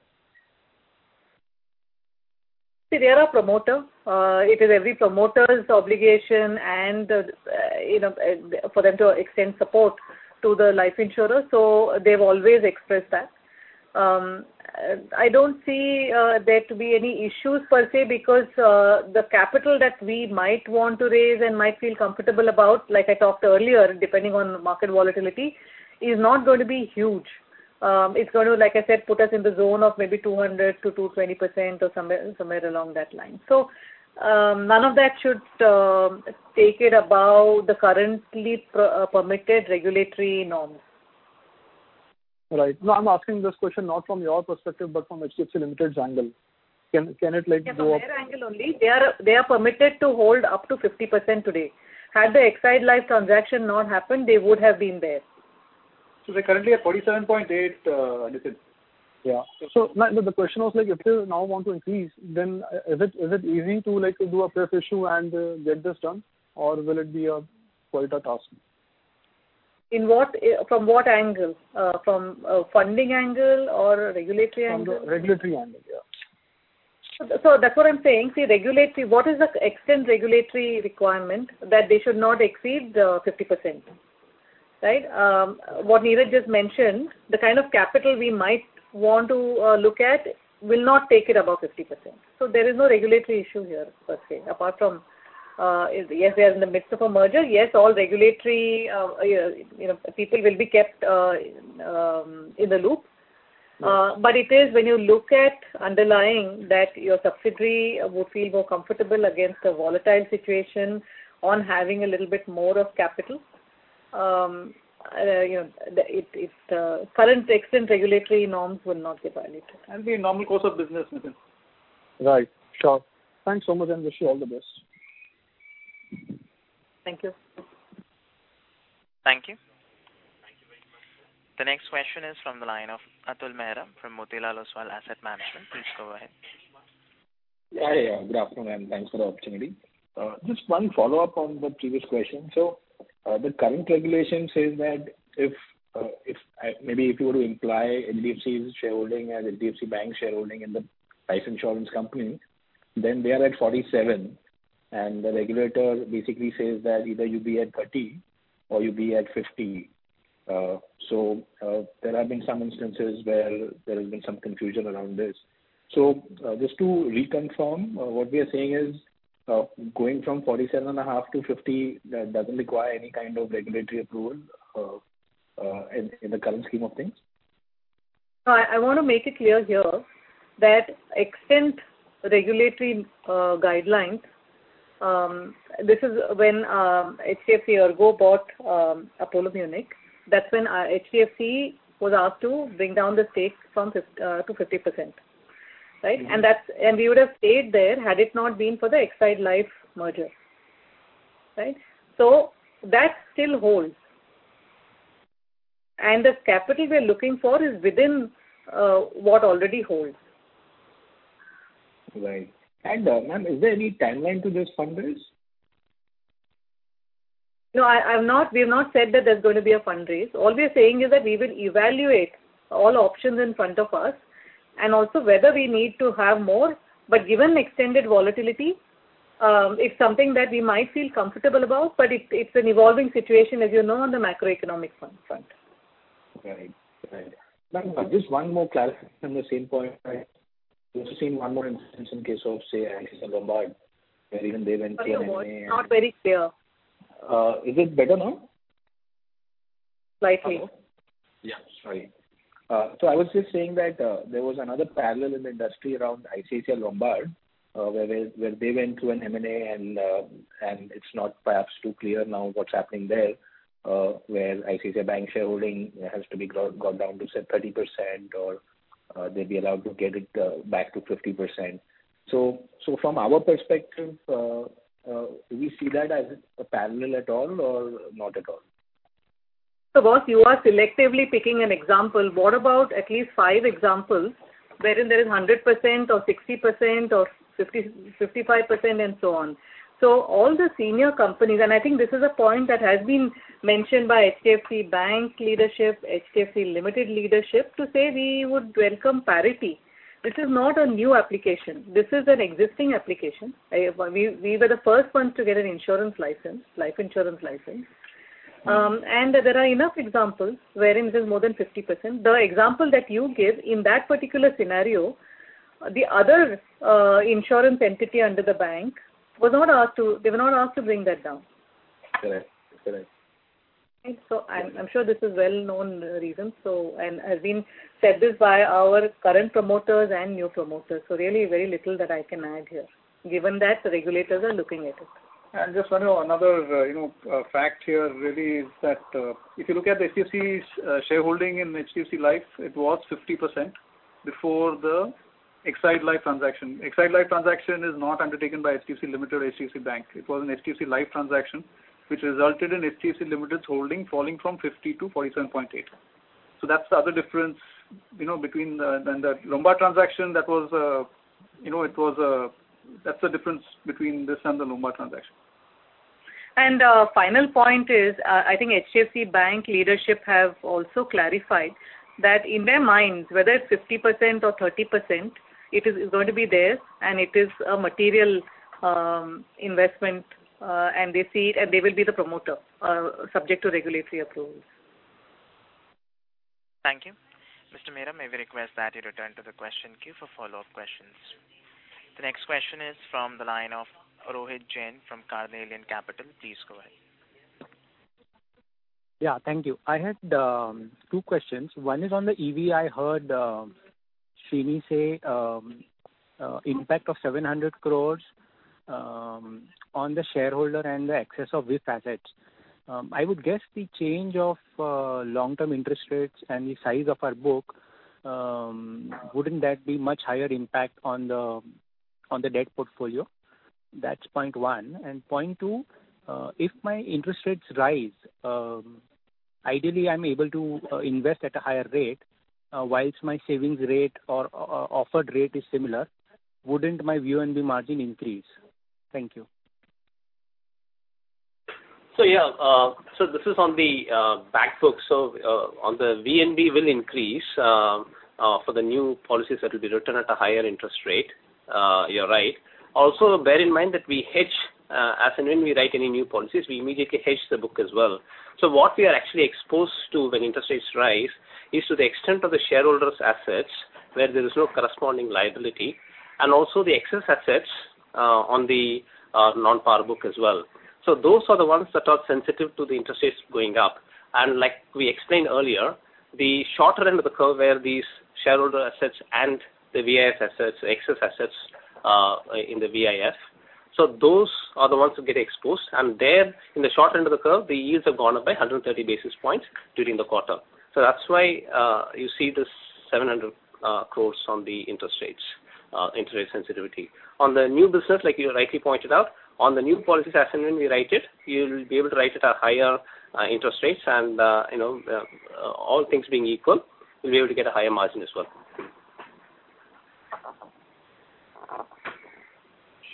See, they are a promoter. It is every promoter's obligation and, you know, for them to extend support to the life insurer. They've always expressed that. I don't see there to be any issues per se because the capital that we might want to raise and might feel comfortable about, like I talked earlier, depending on market volatility, is not going to be huge. It's going to, like I said, put us in the zone of maybe 200-220% or somewhere along that line. None of that should take it above the currently permitted regulatory norms. Right. No, I'm asking this question not from your perspective, but from HDFC Limited's angle. Can it like go up? From their angle only, they are permitted to hold up to 50% today. Had the Exide Life transaction not happened, they would have been there. They're currently at 47.8, Nitin. Yeah. No, the question was like if they now want to increase, then is it easy to like do a pref issue and get this done or will it be quite a task? From what angle? From a funding angle or a regulatory angle? From the regulatory angle, yeah. That's what I'm saying. What is the extent of the regulatory requirement that they should not exceed, 50%, right? What Niraj just mentioned, the kind of capital we might want to look at will not take it above 50%. There is no regulatory issue here per se, apart from, yes, we are in the midst of a merger. Yes, all regulatory, you know, people will be kept in the loop. But it is when you look at underlying that your subsidiary would feel more comfortable against a volatile situation on having a little bit more of capital. You know, the current extent of regulatory norms will not get violated. It'll be a normal course of business, Nitin. Right. Sure. Thanks so much, and wish you all the best. Thank you. Thank you. The next question is from the line of Atul Mehra from Motilal Oswal Asset Management. Please go ahead. Yeah, yeah. Good afternoon, and thanks for the opportunity. Just one follow-up on the previous question. The current regulation says that if maybe you were to imply NBFC's shareholding and NBFC bank shareholding in the life insurance company, then they are at 47%, and the regulator basically says that either you be at 30% or you be at 50%. There have been some instances where there has been some confusion around this. Just to reconfirm, what we are saying is, going from 47.5%-50%, that doesn't require any kind of regulatory approval, in the current scheme of things? No, I wanna make it clear here that existing regulatory guidelines. This is when HDFC ERGO bought Apollo Munich. That's when HDFC was asked to bring down the stake to 50%, right? Mm-hmm. We would have stayed there had it not been for the Exide Life merger. Right? That still holds. This capital we're looking for is within what already holds. Right. Ma'am, is there any timeline to this fundraise? No, we've not said that there's gonna be a fundraise. All we're saying is that we will evaluate all options in front of us and also whether we need to have more. Given extended volatility, it's something that we might feel comfortable about, but it's an evolving situation, as you know, on the macroeconomic front. Right. Right. Ma'am, just one more clarification on the same point. I just seen one more instance in case of, say, ICICI Lombard, where even they went M&A and- Sorry, boss. Not very clear. Is it better now? Slightly. Yeah. Sorry. I was just saying that there was another parallel in the industry around ICICI Lombard, where they went through an M&A and it's not perhaps too clear now what's happening there, where ICICI Bank shareholding has to be got down to, say, 30% or they'd be allowed to get it back to 50%. From our perspective, do we see that as a parallel at all or not at all? Boss, you are selectively picking an example. What about at least five examples wherein there is 100% or 60% or 50%, 55% and so on. All the similar companies, and I think this is a point that has been mentioned by HDFC Bank leadership, HDFC Limited leadership, to say we would welcome parity. This is not a new application. This is an existing application. We were the first ones to get an insurance license, life insurance license. And there are enough examples wherein it is more than 50%. The example that you give, in that particular scenario, the other insurance entity under the bank was not asked to bring that down. Correct. I'm sure this is well-known reason, so and has been said this by our current promoters and new promoters. Really very little that I can add here, given that the regulators are looking at it. Just another, you know, fact here really is that if you look at HDFC's shareholding in HDFC Life, it was 50% before the Exide Life transaction. Exide Life transaction is not undertaken by HDFC Limited or HDFC Bank. It was an HDFC Life transaction, which resulted in HDFC Limited's holding falling from 50%-47.8%. That's the other difference, you know, between this and the ICICI Lombard transaction. Final point is, I think HDFC Bank leadership have also clarified that in their minds, whether it's 50% or 30%, it is going to be there and it is a material investment, and they see it, and they will be the promoter, subject to regulatory approvals. Thank you. Mr. Mehra, may we request that you return to the question queue for follow-up questions. The next question is from the line of Rohit Jain from Carnelian Capital. Please go ahead. Thank you. I had two questions. One is on the EV. I heard Srini say impact of 700 crore on the shareholder value and the excess of risk assets. I would guess the change in long-term interest rates and the size of our book wouldn't that be much higher impact on the debt portfolio? That's point one. Point two, if my interest rates rise, ideally I'm able to invest at a higher rate while my savings rate or offered rate is similar. Wouldn't my VNB margin increase? Thank you. Yeah. This is on the back book. On the VNB will increase for the new policies that will be written at a higher interest rate. You're right. Also, bear in mind that we hedge as and when we write any new policies, we immediately hedge the book as well. What we are actually exposed to when interest rates rise is to the extent of the shareholders' assets where there is no corresponding liability, and also the excess assets on the non-par book as well. Those are the ones that are sensitive to the interest rates going up. Like we explained earlier, the shorter end of the curve where these shareholder assets and the VIF assets, excess assets in the VIF, so those are the ones who get exposed. In the short end of the curve, the yields have gone up by 130 basis points during the quarter. That's why you see this 700 crores on the interest rates, interest rate sensitivity. On the new business, like you rightly pointed out, on the new policies as and when we write it, you'll be able to write it at higher interest rates and, you know, all things being equal, we'll be able to get a higher margin as well.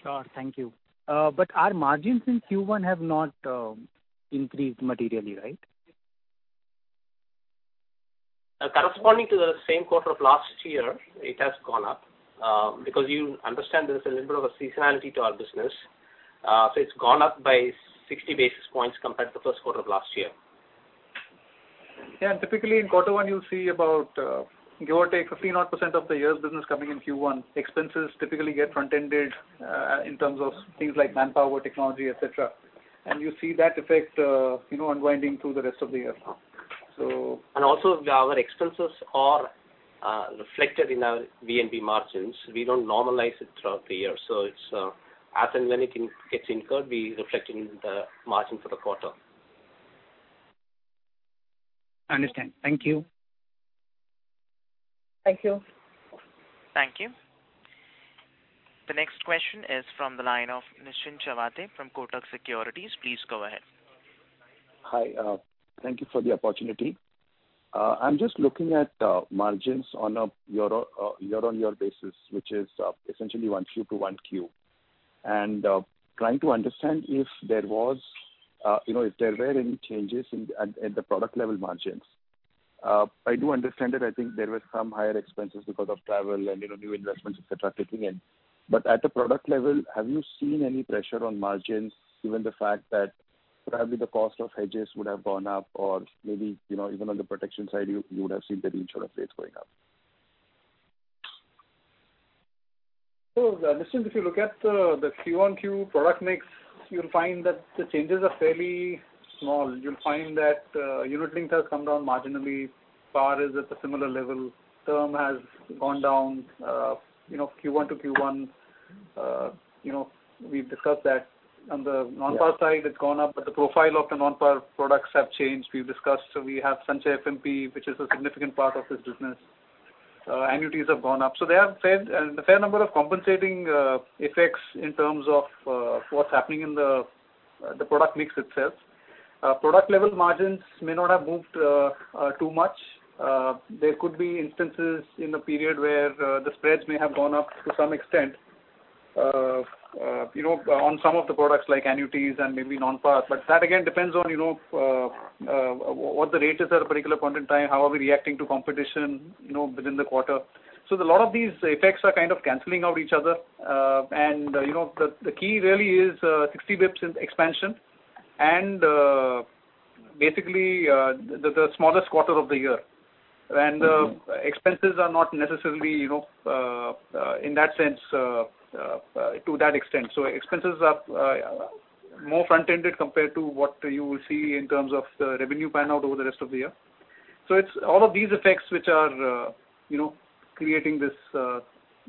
Sure. Thank you. Our margins in Q1 have not increased materially, right? Corresponding to the same quarter of last year, it has gone up. Because you understand there is a little bit of a seasonality to our business. It's gone up by 60 basis points compared to the first quarter of last year. Yeah. Typically in quarter one you'll see about, give or take 15 odd percent of the year's business coming in Q1. Expenses typically get front-ended, in terms of things like manpower, technology, et cetera. You see that effect, you know, unwinding through the rest of the year. Also our expenses are reflected in our VNB margins. We don't normalize it throughout the year, so it's as and when it gets incurred, we reflect in the margin for the quarter. I understand. Thank you. Thank you. Thank you. The next question is from the line of Nischint Chawathe from Kotak Securities. Please go ahead. Hi. Thank you for the opportunity. I'm just looking at margins on a year-on-year basis, which is essentially 1Q to 1Q. Trying to understand if there was you know, if there were any changes in at the product level margins. I do understand that I think there were some higher expenses because of travel and you know, new investments, et cetera, kicking in. But at a product level, have you seen any pressure on margins given the fact that probably the cost of hedges would have gone up or maybe you know, even on the protection side, you would have seen the reinsurer rates going up? Nischint, if you look at the Q-on-Q product mix, you'll find that the changes are fairly small. You'll find that unit linked has come down marginally. Par is at a similar level. Term has gone down, you know, Q1 to Q1. You know, we've discussed that. On the non-par side, it's gone up, but the profile of the non-par products have changed. We've discussed, so we have Sanchay FMP, which is a significant part of this business. Annuities have gone up. There have been a fair number of compensating effects in terms of what's happening in the product mix itself. Product level margins may not have moved too much. There could be instances in the period where the spreads may have gone up to some extent, you know, on some of the products like annuities and maybe non-par. That again depends on, you know, what the rate is at a particular point in time, how are we reacting to competition, you know, within the quarter. A lot of these effects are kind of canceling out each other. The key really is 60 basis points in expansion and basically the smallest quarter of the year. Expenses are not necessarily, you know, in that sense to that extent. Expenses are more front-ended compared to what you will see in terms of the revenue play out over the rest of the year. It's all of these effects which are, you know, creating this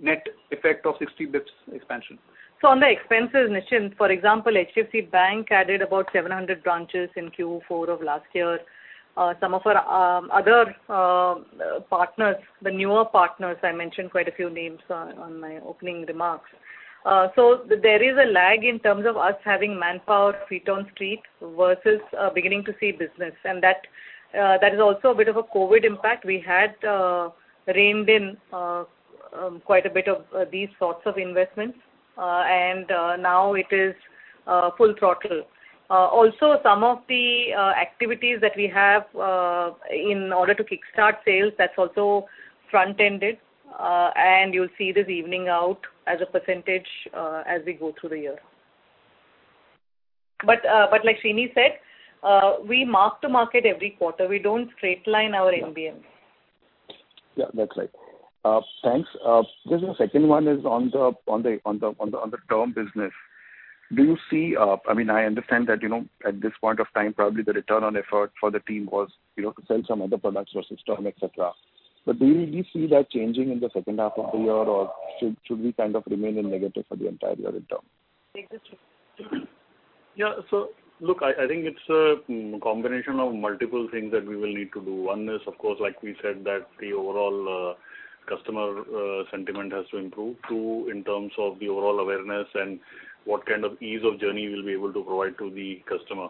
net effect of 60 basis points expansion. On the expenses, Nischint, for example, HDFC Bank added about 700 branches in Q4 of last year. Some of our other partners, the newer partners, I mentioned quite a few names in my opening remarks. There is a lag in terms of us having manpower, feet on the street versus beginning to see business. That is also a bit of a COVID impact. We had reined in quite a bit of these sorts of investments, and now it is full throttle. Also some of the activities that we have in order to kickstart sales, that's also front-ended. You'll see this evening out as a percentage as we go through the year. But like Srini said, we mark to market every quarter. We don't straight line our NBMs. Yeah, that's right. Thanks. Just the second one is on the term business. Do you see, I mean, I understand that, you know, at this point of time, probably the return on effort for the team was, you know, to sell some other products versus term, et cetera. But do you see that changing in the second half of the year or should we kind of remain in negative for the entire year in term? Yeah. Look, I think it's a combination of multiple things that we will need to do. One is, of course, like we said, that the overall customer sentiment has to improve. Two, in terms of the overall awareness and what kind of ease of journey we'll be able to provide to the customer.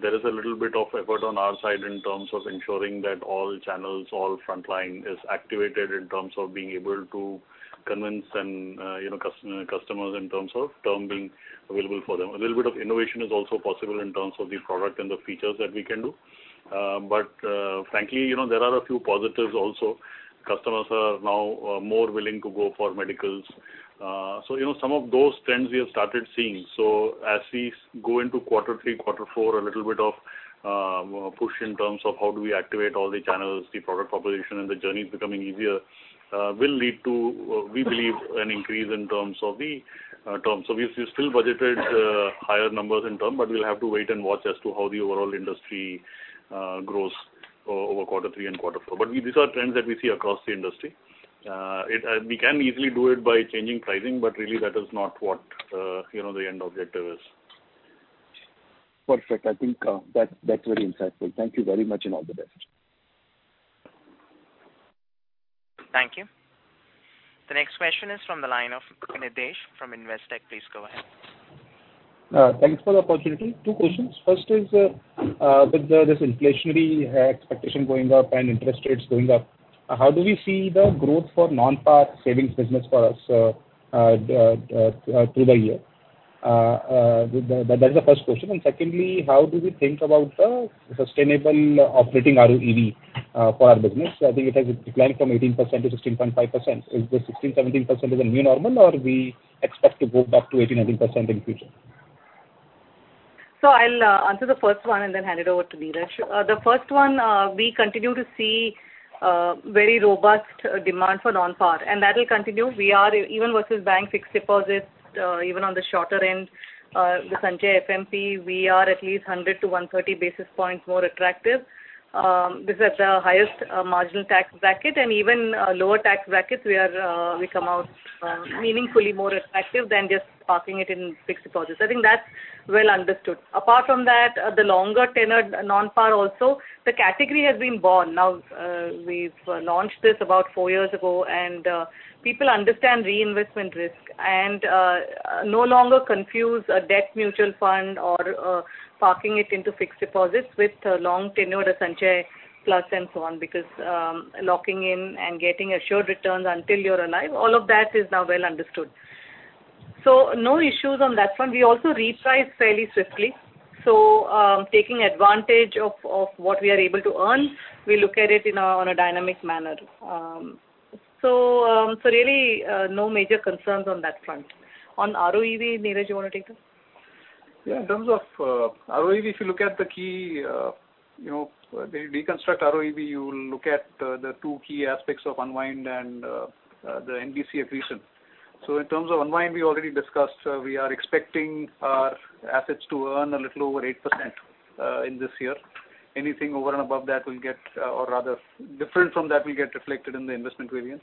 There is a little bit of effort on our side in terms of ensuring that all channels, all frontline is activated in terms of being able to convince and, you know, customers in terms of term being available for them. A little bit of innovation is also possible in terms of the product and the features that we can do. Frankly, you know, there are a few positives also. Customers are now more willing to go for medicals. You know, some of those trends we have started seeing. As we go into quarter three, quarter four, a little bit of push in terms of how do we activate all the channels, the product proposition and the journey is becoming easier, will lead to, we believe, an increase in terms of the terms. We've still budgeted higher numbers in term, but we'll have to wait and watch as to how the overall industry grows over quarter three and quarter four. These are trends that we see across the industry. We can easily do it by changing pricing, but really that is not what you know, the end objective is. Perfect. I think, that's very insightful. Thank you very much, and all the best. Thank you. The next question is from the line of Nidhesh from Investec. Please go ahead. Thanks for the opportunity. Two questions. First is, with this inflationary expectation going up and interest rates going up, how do we see the growth for non-par savings business for us, through the year? That is the first question. Secondly, how do we think about the sustainable operating ROEV, for our business? I think it has declined from 18%-16.5%. Is the 16%-17% the new normal or we expect to go back to 18%-19% in future? I'll answer the first one and then hand it over to Niraj. The first one, we continue to see very robust demand for non-par, and that will continue. We are even versus bank fixed deposits, even on the shorter end, the Sanchay FMP, we are at least 100 to 130 basis points more attractive. This is at the highest marginal tax bracket and even lower tax brackets we come out meaningfully more attractive than just parking it in fixed deposits. I think that's well understood. Apart from that, the longer tenored non-par also, the category has been booming. Now, we've launched this about four years ago and people understand reinvestment risk and no longer confuse a debt mutual fund or parking it into fixed deposits with long tenured Sanchay Plus and so on, because locking in and getting assured returns until you're alive, all of that is now well understood. No issues on that front. We also reprice fairly swiftly, so taking advantage of what we are able to earn, we look at it on a dynamic manner. Really, no major concerns on that front. On ROEV, Niraj, you want to take this? Yeah. In terms of ROEV, if you look at the key, you know, deconstruct ROEV, you will look at the two key aspects of unwind and the VNB accretion. In terms of unwind, we already discussed. We are expecting our assets to earn a little over 8% in this year. Anything over and above that will get, or rather different from that will get reflected in the investment variance.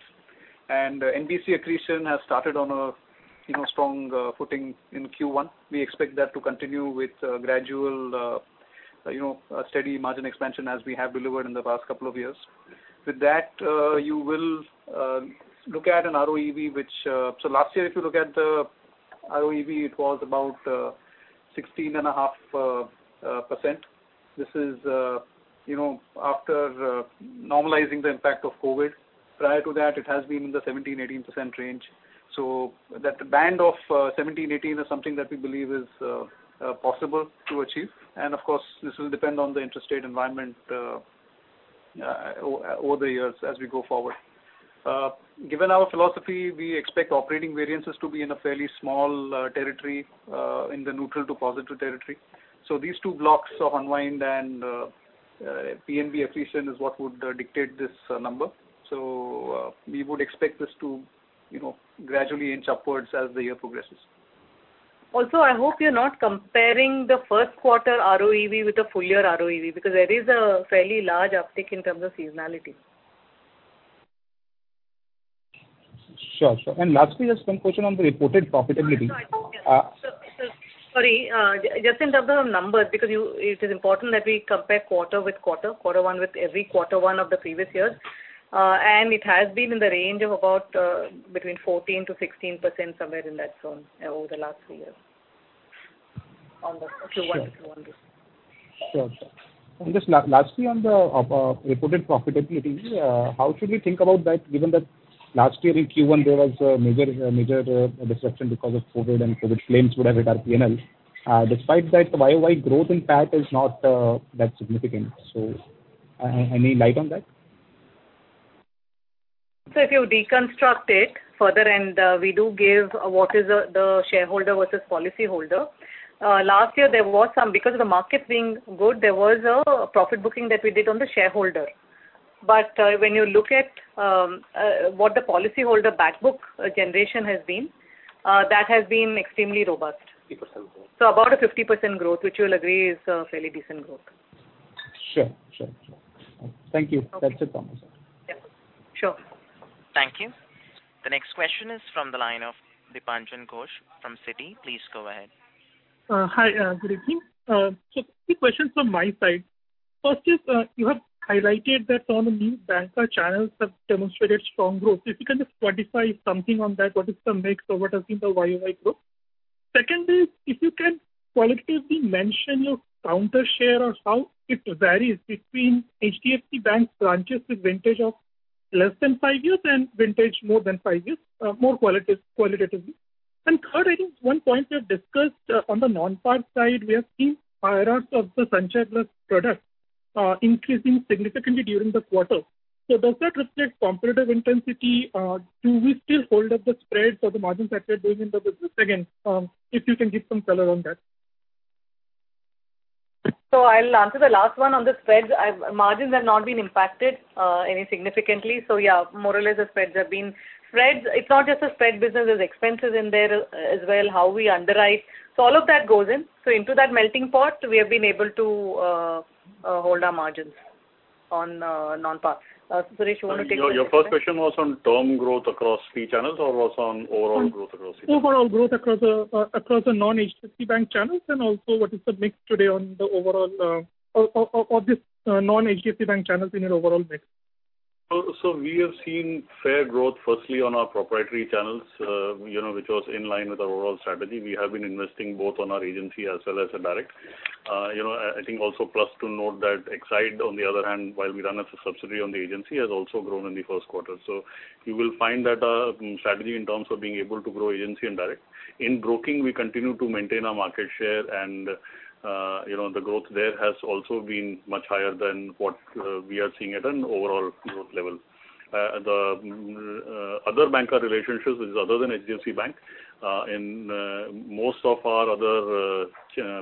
VNB accretion has started on a, you know, strong footing in Q1. We expect that to continue with gradual, you know, steady margin expansion as we have delivered in the past couple of years. With that, you will look at an ROEV which, so last year, if you look at the ROEV, it was about 16.5%. This is, you know, after normalizing the impact of COVID. Prior to that, it has been in the 17-18% range. That band of 17-18% is something that we believe is possible to achieve. Of course, this will depend on the interest rate environment over the years as we go forward. Given our philosophy, we expect operating variances to be in a fairly small territory in the neutral to positive territory. These two blocks of unwind and NBP accretion is what would dictate this number. We would expect this to, you know, gradually inch upwards as the year progresses. Also, I hope you're not comparing the first quarter ROEV with the full year ROEV because there is a fairly large uptick in terms of seasonality. Sure, sure. Lastly, just one question on the reported profitability. Sorry. Just in terms of numbers, because it is important that we compare quarter with quarter one with every quarter one of the previous years. It has been in the range of about between 14%-16%, somewhere in that zone over the last 3 years. On the Q1 to Q1 basis. Sure. Just lastly on the reported profitability, how should we think about that given that last year in Q1 there was a major disruption because of COVID and COVID claims would have hit our P&L. Despite that, the YoY growth in PAT is not that significant. Any light on that? If you deconstruct it further and we do give what is the shareholder versus policyholder. Last year, because of the market being good, there was a profit booking that we did on the shareholder. When you look at what the policyholder back book generation has been, that has been extremely robust. 50% growth. About a 50% growth, which you will agree is a fairly decent growth. Sure. Thank you. That's it from my side. Sure. Thank you. The next question is from the line of Deepanjan Ghosh from Citi. Please go ahead. Hi, good evening. Two questions from my side. First is, you have highlighted that some of the new banker channels have demonstrated strong growth. If you can just quantify something on that, what is the mix or what has been the year-over-year growth? Second is, if you can qualitatively mention your counter share or how it varies between HDFC Bank's branches with vintage of less than five years and vintage more than five years, more qualitatively. Third, I think one point you have discussed, on the non-par side, we have seen *inaudible* of the Sanchay Plus product, increasing significantly during the quarter. Does that reflect competitive intensity? Do we still hold up the spreads or the margins that we are doing in the business? Again, if you can give some color on that. I'll answer the last one on the spreads. Margins have not been impacted any significantly. Yeah, more or less the spreads have been. Spreads, it's not just a spread business, there's expenses in there as well, how we underwrite. All of that goes in. Into that melting pot, we have been able to hold our margins on non-par. Suresh, you want to take- Your first question was on term growth across three channels or was on overall growth across three channels? Overall growth across the non-HDFC Bank channels and also what is the mix today on the overall of this non-HDFC Bank channels in your overall mix? We have seen fair growth firstly on our proprietary channels, you know, which was in line with our overall strategy. We have been investing both on our agency as well as the direct. You know, I think point to note that Exide on the other hand, while we run as a subsidiary on the agency, has also grown in the first quarter. You will find that strategy in terms of being able to grow agency and direct. In broking, we continue to maintain our market share and, you know, the growth there has also been much higher than what we are seeing at an overall growth level. The other banker relationships is other than HDFC Bank. In most of our other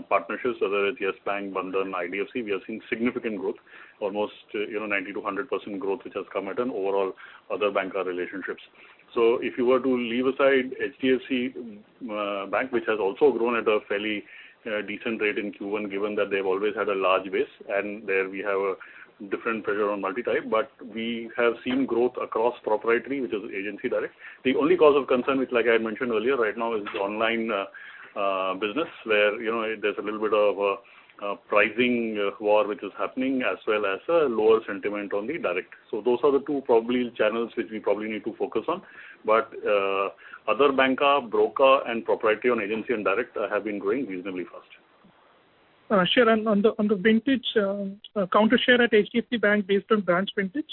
partnerships, whether it's Yes Bank, Bandhan Bank, IDFC FIRST Bank, we are seeing significant growth, almost, you know, 90%-100% growth which has come from overall other banca relationships. If you were to leave aside HDFC Bank, which has also grown at a fairly decent rate in Q1, given that they've always had a large base, and there we have a different pressure on multiplier. We have seen growth across proprietary, which is agency direct. The only cause of concern, which like I had mentioned earlier, right now is online business, where, you know, there's a little bit of a pricing war which is happening as well as a lower sentiment on the direct. Those are the two probably channels which we probably need to focus on. Other bancassurance, broker and proprietary own agency and direct have been growing reasonably fast. Sure. On the vintage market share at HDFC Bank based on branch vintage?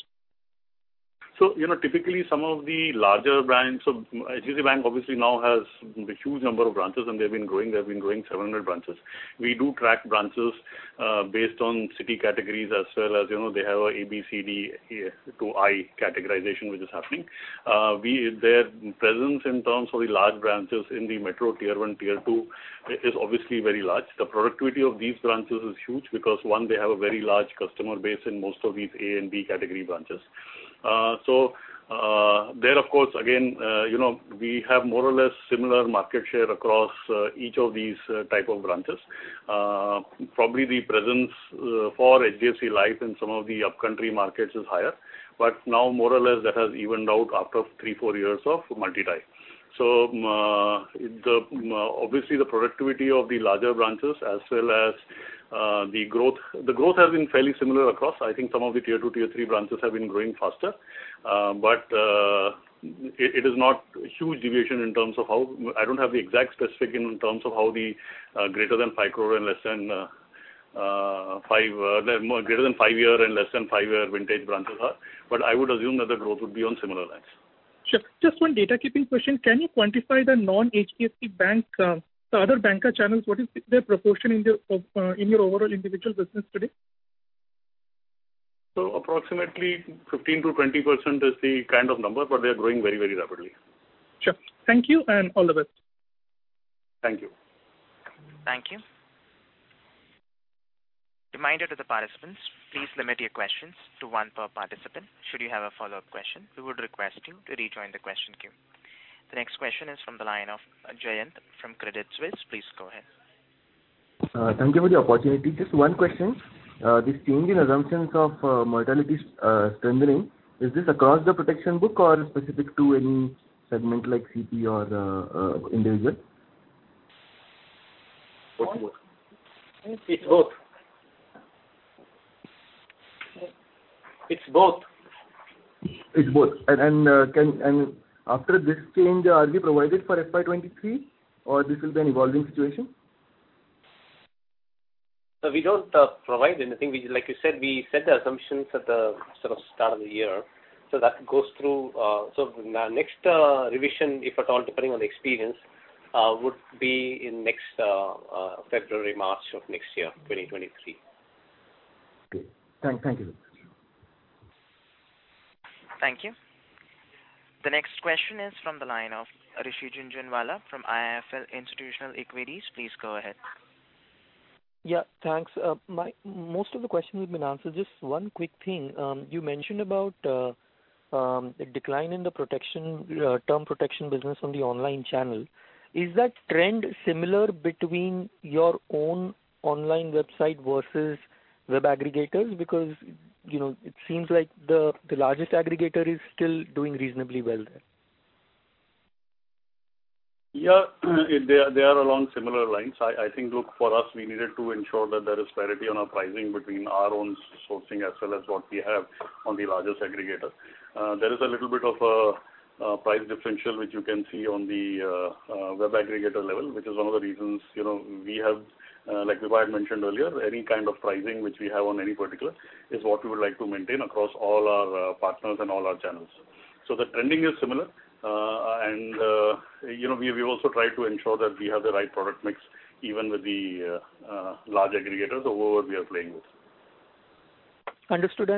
You know, typically some of the larger banks, so HDFC Bank obviously now has the huge number of branches and they've been growing 700 branches. We do track branches based on city categories as well as, you know, they have A, B, C, D, E to I categorization which is happening. Their presence in terms of the large branches in the metro Tier 1, Tier 2 is obviously very large. The productivity of these branches is huge because, one, they have a very large customer base in most of these A and B category branches. There of course, again, you know, we have more or less similar market share across each of these type of branches. Probably the presence for HDFC Life in some of the upcountry markets is higher. Now more or less that has evened out after 3-4 years of multi-site. Obviously, the productivity of the larger branches as well as the growth has been fairly similar across. I think some of the tier 2, tier 3 branches have been growing faster. It is not a huge deviation in terms of how the greater than 5-year and less than 5-year vintage branches are. I don't have the exact specifics in terms of how they are. I would assume that the growth would be on similar lines. Sure. Just one data keeping question. Can you quantify the non-HDFC Bank, the other bancassurance channels, what is their proportion in the, in your overall individual business today? Approximately 15%-20% is the kind of number, but they are growing very, very rapidly. Sure. Thank you and all the best. Thank you. Thank you. Reminder to the participants, please limit your questions to one per participant. Should you have a follow-up question, we would request you to rejoin the question queue. The next question is from the line of Jayant from Credit Suisse. Please go ahead. Thank you for the opportunity. Just one question. This change in assumptions of mortality strengthening, is this across the protection book or specific to any segment like CP or individual? Both. It's both. It's both. After this change, are we provided for FY 2023 or this will be an evolving situation? We don't provide anything. We just, like you said, we set the assumptions at the sort of start of the year. That goes through, so next revision, if at all, depending on the experience, would be in next February, March of next year, 2023. Okay. Thank you. Thank you. The next question is from the line of Rishi Jhunjhunwala from IIFL Institutional Equities. Please go ahead. Yeah, thanks. Most of the questions have been answered. Just one quick thing. You mentioned about a decline in the term protection business on the online channel. Is that trend similar between your own online website versus web aggregators? Because, you know, it seems like the largest aggregator is still doing reasonably well there. Yeah, they are along similar lines. I think, look, for us, we needed to ensure that there is parity on our pricing between our own sourcing as well as what we have on the largest aggregator. There is a little bit of a price differential which you can see on the web aggregator level, which is one of the reasons, you know, we have, like Vibha had mentioned earlier, any kind of pricing which we have on any particular is what we would like to maintain across all our partners and all our channels. The trending is similar. You know, we also try to ensure that we have the right product mix even with the large aggregators overall we are playing with. Understood.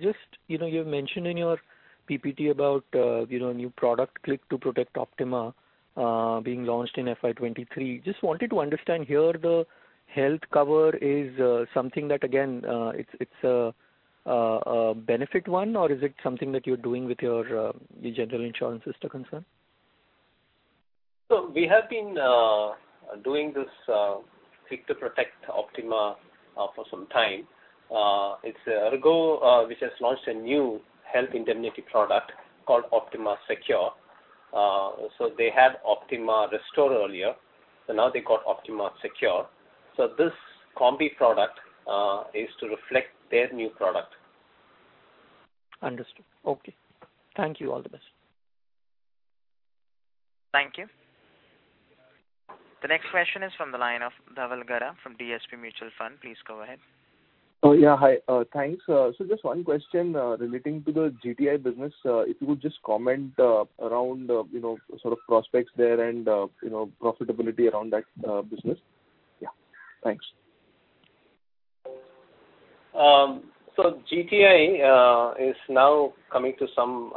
Just, you know, you mentioned in your PPT about, you know, new product Click 2 Protect Optima Secure being launched in FY 2023. Just wanted to understand here the health cover is something that again, it's a benefit-only or is it something that you're doing with your general insurance, HDFC ERGO? We have been doing this Click2Protect Optima for some time. It's HDFC ERGO which has launched a new health indemnity product called Optima Secure. They had Optima Restore earlier, so now they got Optima Secure. This Combi product is to reflect their new product. Understood. Okay. Thank you. All the best. Thank you. The next question is from the line of Dhaval Gera from DSP Mutual Fund. Please go ahead. Oh, yeah. Hi. Thanks. So just one question relating to the GTI business. If you would just comment around, you know, sort of prospects there and, you know, profitability around that business. Yeah. Thanks. GTI is now coming to some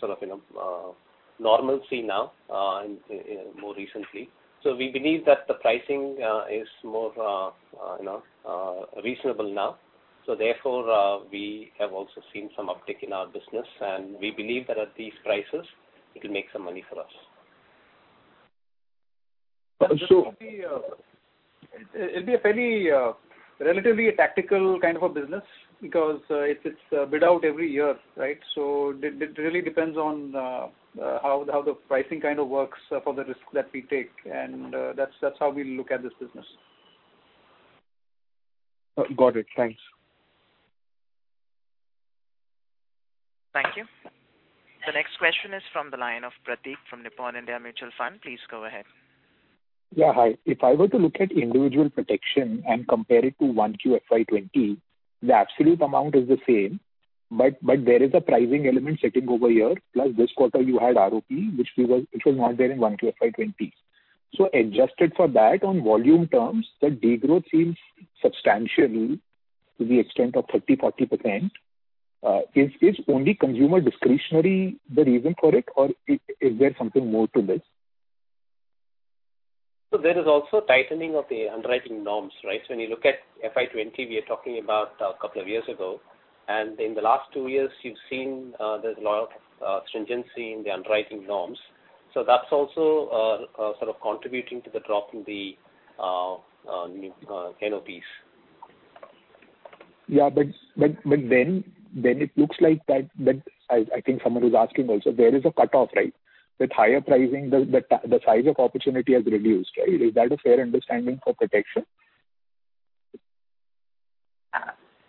sort of, you know, normalcy now in, you know, more recently. We believe that the pricing is more, you know, reasonable now. Therefore, we have also seen some uptick in our business, and we believe that at these prices it will make some money for us. So- It'll be a fairly relatively tactical kind of a business because it's bid out every year, right? It really depends on how the pricing kind of works for the risk that we take and that's how we look at this business. Got it. Thanks. Thank you. The next question is from the line of Prateek from Nippon India Mutual Fund. Please go ahead. Yeah. Hi. If I were to look at individual protection and compare it to 1Q FY 2020, the absolute amount is the same, but there is a pricing element sitting over here, plus this quarter you had ROP, which was not there in 1Q FY 2020. Adjusted for that on volume terms, the degrowth seems substantial to the extent of 30%-40%. Is only consumer discretionary the reason for it, or is there something more to this? There is also tightening of the underwriting norms, right? When you look at FY 20, we are talking about a couple of years ago, and in the last two years you've seen, there's a lot of stringency in the underwriting norms. That's also sort of contributing to the drop in the new NBPs. It looks like that I think someone was asking also there is a cutoff, right? With higher pricing the size of opportunity has reduced, right? Is that a fair understanding for protection?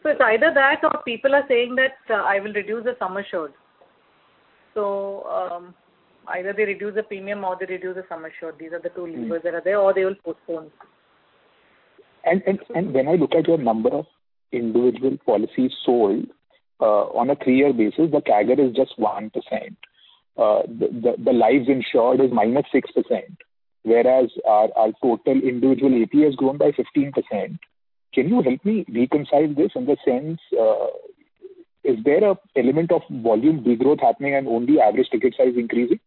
It's either that or people are saying that I will reduce the sum assured. Either they reduce the premium or they reduce the sum assured. These are the two levers that are there or they will postpone. When I look at your number of individual policies sold, on a three-year basis, the CAGR is just 1%. The lives insured is -6%, whereas our total individual AP has grown by 15%. Can you help me reconcile this in the sense, is there an element of volume degrowth happening and only average ticket size increasing?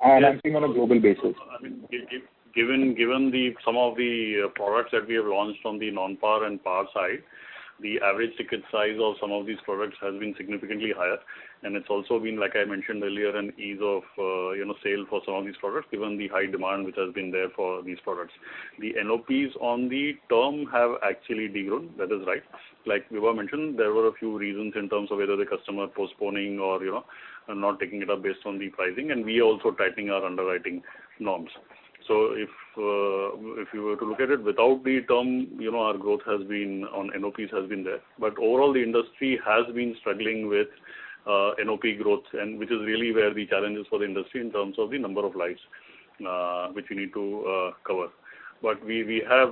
I'm asking on a global basis. I mean, given some of the products that we have launched on the non-par and par side, the average ticket size of some of these products has been significantly higher. It's also been, like I mentioned earlier, an ease of, you know, sale for some of these products, given the high demand which has been there for these products. The NOPs on the term have actually de-grown. That is right. Like Vibha mentioned, there were a few reasons in terms of whether the customer postponing or, you know, not taking it up based on the pricing, and we are also tightening our underwriting norms. If you were to look at it without the term, you know, our growth on NOPs has been there. Overall, the industry has been struggling with NOP growth, which is really where the challenge is for the industry in terms of the number of lives which we need to cover. We have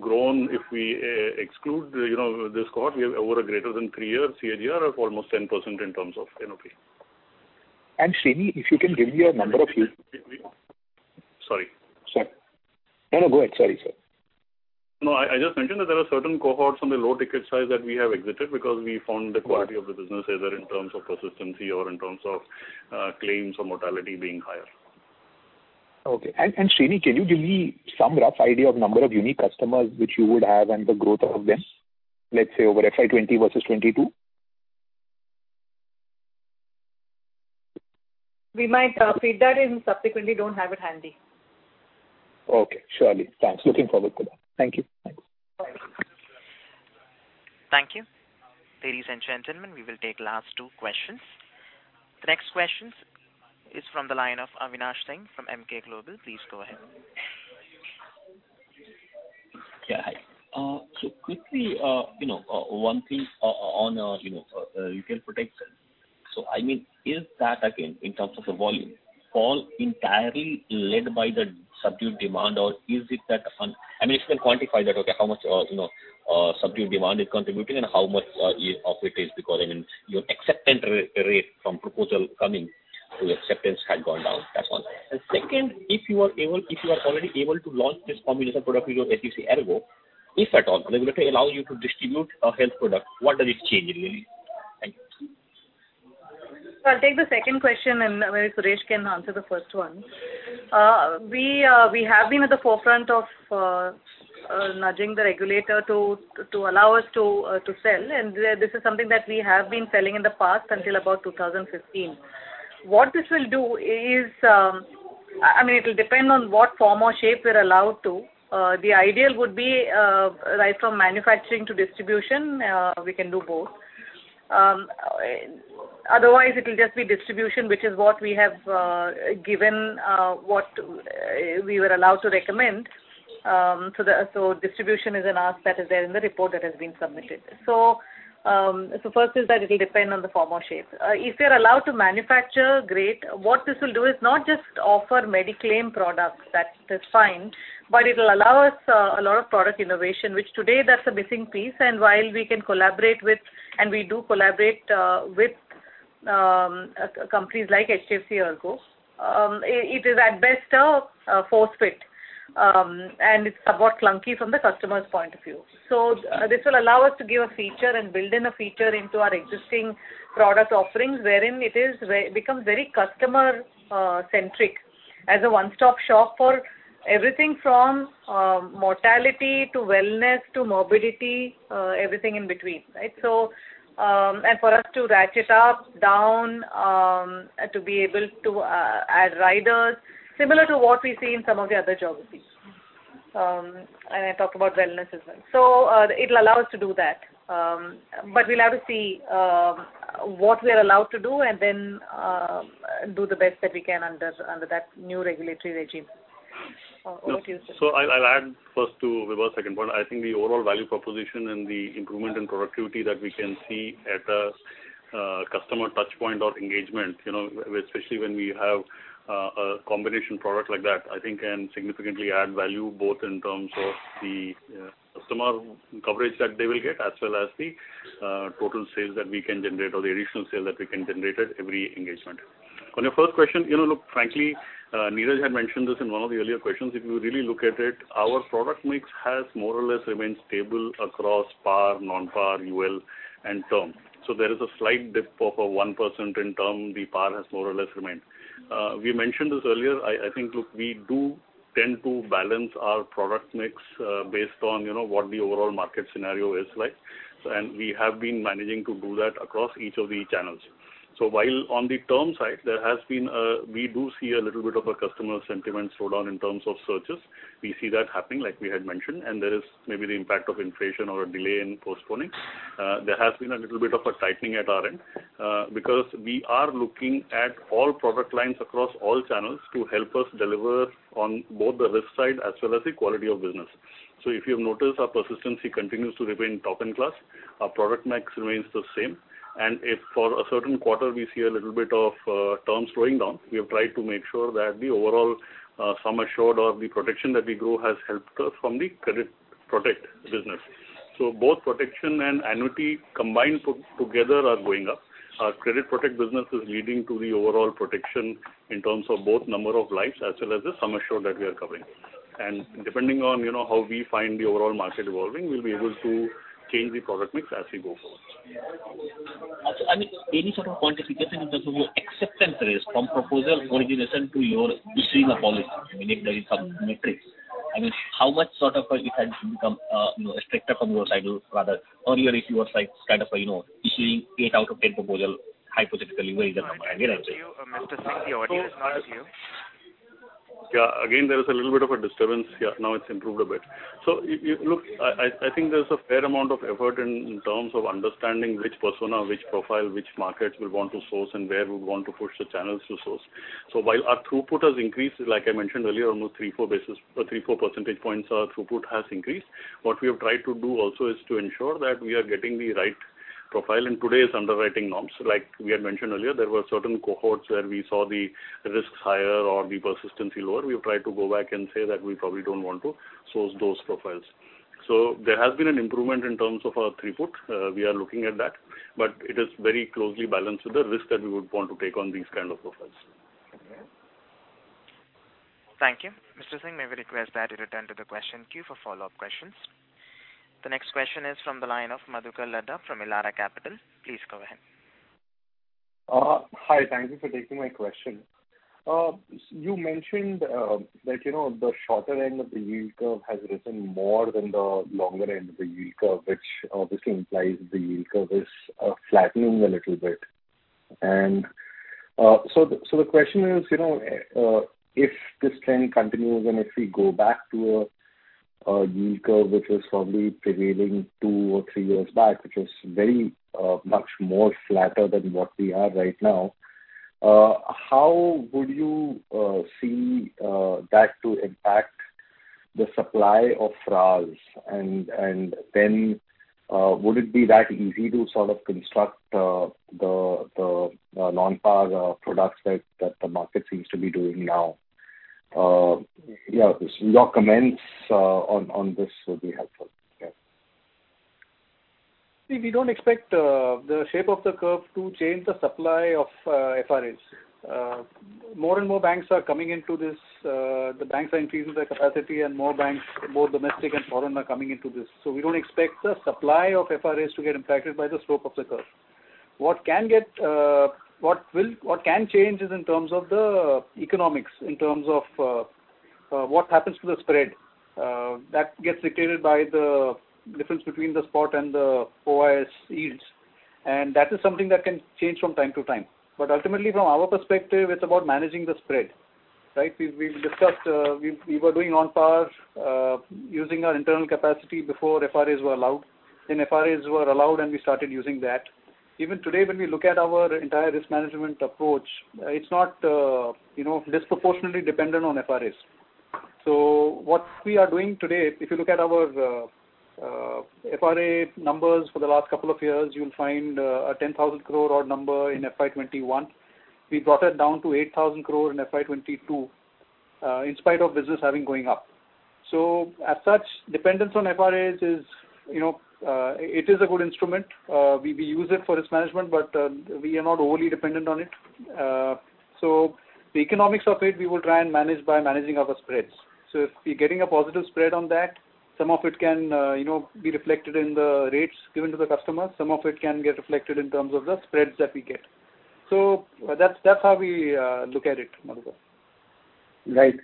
grown if we exclude, you know, this cohort, we have over a greater than three-year CAGR of almost 10% in terms of NOP. Srini, if you can give me a number of Sorry. Sure. No, no, go ahead. Sorry, sir. No, I just mentioned that there are certain cohorts on the low ticket size that we have exited because we found the quality of the business either in terms of persistency or in terms of claims or mortality being higher. Okay. Srini, can you give me some rough idea of number of unique customers which you would have and the growth of this, let's say over FY 2020 versus 2022? We might feed that in subsequently. Don't have it handy. Okay. Surely. Thanks. Looking forward to that. Thank you. Thanks. Thank you. Ladies and gentlemen, we will take last two questions. The next question is from the line of Avinash Singh from MK Global. Please go ahead. Yeah. Hi. Quickly, you know, one thing on, you know, for retail protection. I mean, is that again, in terms of the volume, all entirely led by the subdued demand or is it that, I mean, if you can quantify that, okay, how much, you know, subdued demand is contributing and how much of it is because I mean your acceptance rate from proposal coming to acceptance had gone down. That's one. Second, if you are able, if you are already able to launch this combination product with your HDFC ERGO, if at all regulatory allows you to distribute a health product, what does it change really? Thank you. I'll take the second question and, maybe Suresh can answer the first one. We have been at the forefront of nudging the regulator to allow us to sell. This is something that we have been selling in the past until about 2015. What this will do is, I mean, it'll depend on what form or shape we're allowed to. The ideal would be right from manufacturing to distribution, we can do both. Otherwise it'll just be distribution, which is what we have, given what we were allowed to recommend. Distribution is an ask that is there in the report that has been submitted. First is that it'll depend on the form or shape. If we're allowed to manufacture, great. What this will do is not just offer mediclaim products. That's fine, but it'll allow us a lot of product innovation, which today that's a missing piece. While we can collaborate with and we do collaborate with companies like HDFC ERGO, it is at best a force fit, and it's somewhat clunky from the customer's point of view. This will allow us to give a feature and build in a feature into our existing product offerings, wherein it becomes very customer centric as a one-stop shop for everything from mortality to wellness to morbidity, everything in between, right? For us to ratchet up, down, to be able to add riders similar to what we see in some of the other geographies. I talked about wellness as well. It'll allow us to do that. We'll have to see what we're allowed to do and then do the best that we can under that new regulatory regime. Over to you, Suresh. I'll add first to Vibha's second point. I think the overall value proposition and the improvement in productivity that we can see at a customer touch point or engagement, you know, especially when we have a combination product like that, I think can significantly add value both in terms of the customer coverage that they will get, as well as the total sales that we can generate or the additional sale that we can generate at every engagement. On your first question, you know, look, frankly, Neeraj had mentioned this in one of the earlier questions. If you really look at it, our product mix has more or less remained stable across par, non-par, UL, and term. There is a slight dip of 1% in term. The par has more or less remained. We mentioned this earlier. I think, look, we do tend to balance our product mix based on, you know, what the overall market scenario is like. We have been managing to do that across each of the channels. While on the term side there has been a we do see a little bit of a customer sentiment slowdown in terms of searches. We see that happening like we had mentioned, and there is maybe the impact of inflation or a delay in postponing. There has been a little bit of a tightening at our end because we are looking at all product lines across all channels to help us deliver on both the risk side as well as the quality of business. If you've noticed, our persistency continues to remain top in class. Our product mix remains the same. If for a certain quarter we see a little bit of terms slowing down, we have tried to make sure that the overall sum assured or the protection that we grow has helped us from the Credit Protect business. Both protection and annuity combined together are going up. Our Credit Protect business is leading to the overall protection in terms of both number of lives as well as the sum assured that we are covering. Depending on you know how we find the overall market evolving, we'll be able to change the product mix as we go forward. I mean, any sort of quantification in terms of your acceptance rates from proposal origination to your issuing a policy, I mean, if there is some metrics. I mean, how much sort of it has become, you know, stricter from your side rather. Earlier if you were like kind of, you know, issuing eight out of ten proposal hypothetically, where is the number again I'd say? Thank you. Mr. Singh, the audio is not with you. Yeah, again, there is a little bit of a disturbance. Yeah, now it's improved a bit. Look, I think there's a fair amount of effort in terms of understanding which persona, which profile, which markets we want to source and where we want to push the channels to source. While our throughput has increased, like I mentioned earlier, almost 3-4 basis or 3-4 percentage points our throughput has increased. What we have tried to do also is to ensure that we are getting the right profile. In today's underwriting norms, like we had mentioned earlier, there were certain cohorts where we saw the risks higher or the persistency lower. We've tried to go back and say that we probably don't want to source those profiles. There has been an improvement in terms of our throughput. We are looking at that, but it is very closely balanced with the risk that we would want to take on these kind of profiles. Thank you. Mr. Singh, may we request that you return to the question queue for follow-up questions? The next question is from the line of Madhukar Ladha from Elara Capital. Please go ahead. Hi. Thank you for taking my question. You mentioned that, you know, the shorter end of the yield curve has risen more than the longer end of the yield curve, which obviously implies the yield curve is flattening a little bit. So the question is, you know, if this trend continues and if we go back to a yield curve which was probably prevailing two or three years back, which was very much more flatter than what we have right now, how would you see that to impact the supply of FRAs? Then would it be that easy to sort of construct the non-par products that the market seems to be doing now? Your comments on this would be helpful. See, we don't expect the shape of the curve to change the supply of FRAs. More and more banks are coming into this. The banks are increasing their capacity and more banks, both domestic and foreign, are coming into this. We don't expect the supply of FRAs to get impacted by the slope of the curve. What can change is in terms of the economics, in terms of what happens to the spread. That gets dictated by the difference between the spot and the OIS yields. That is something that can change from time to time. Ultimately, from our perspective, it's about managing the spread, right? We've discussed we were doing on par using our internal capacity before FRAs were allowed. FRAs were allowed, and we started using that. Even today, when we look at our entire risk management approach, it's not, you know, disproportionately dependent on FRAs. What we are doing today, if you look at our FRA numbers for the last couple of years, you'll find a 10,000 crore odd number in FY 2021. We brought that down to 8,000 crore in FY 2022, in spite of business having gone up. As such, dependence on FRAs is, you know, it is a good instrument. We use it for risk management, but we are not only dependent on it. The economics of it, we will try and manage by managing our spreads. If we're getting a positive spread on that, some of it can, you know, be reflected in the rates given to the customer. Some of it can get reflected in terms of the spreads that we get. That's how we look at it, Madhav. Right.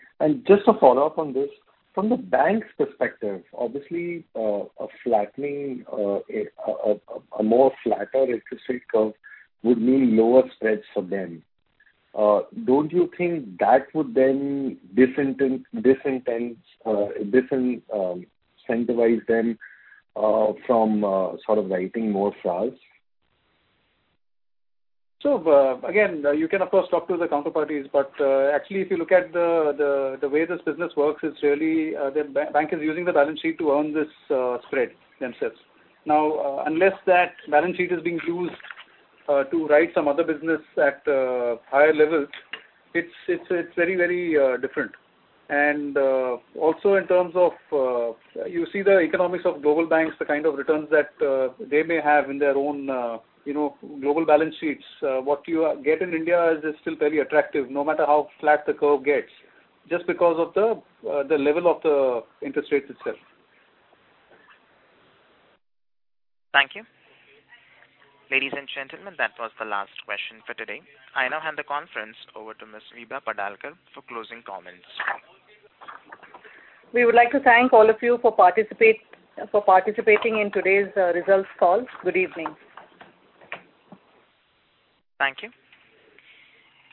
Just a follow-up on this. From the bank's perspective, obviously, a flattening, a more flatter interest rate curve would mean lower spreads for them. Don't you think that would then disincentivize them from sort of writing more FRAs? Again, you can of course talk to the counterparties, but actually, if you look at the way this business works, it's really the bank is using the balance sheet to earn this spread themselves. Now, unless that balance sheet is being used to write some other business at higher levels, it's very different. Also in terms of, you see the economics of global banks, the kind of returns that they may have in their own, you know, global balance sheets. What you get in India is still very attractive, no matter how flat the curve gets, just because of the level of the interest rates itself. Thank you. Ladies and gentlemen, that was the last question for today. I now hand the conference over to Ms. Vibha Padalkar for closing comments. We would like to thank all of you for participating in today's results call. Good evening. Thank you.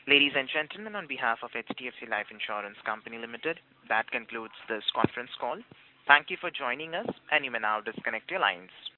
Ladies and gentlemen, on behalf of HDFC Life Insurance Company Limited, that concludes this conference call. Thank you for joining us, and you may now disconnect your lines.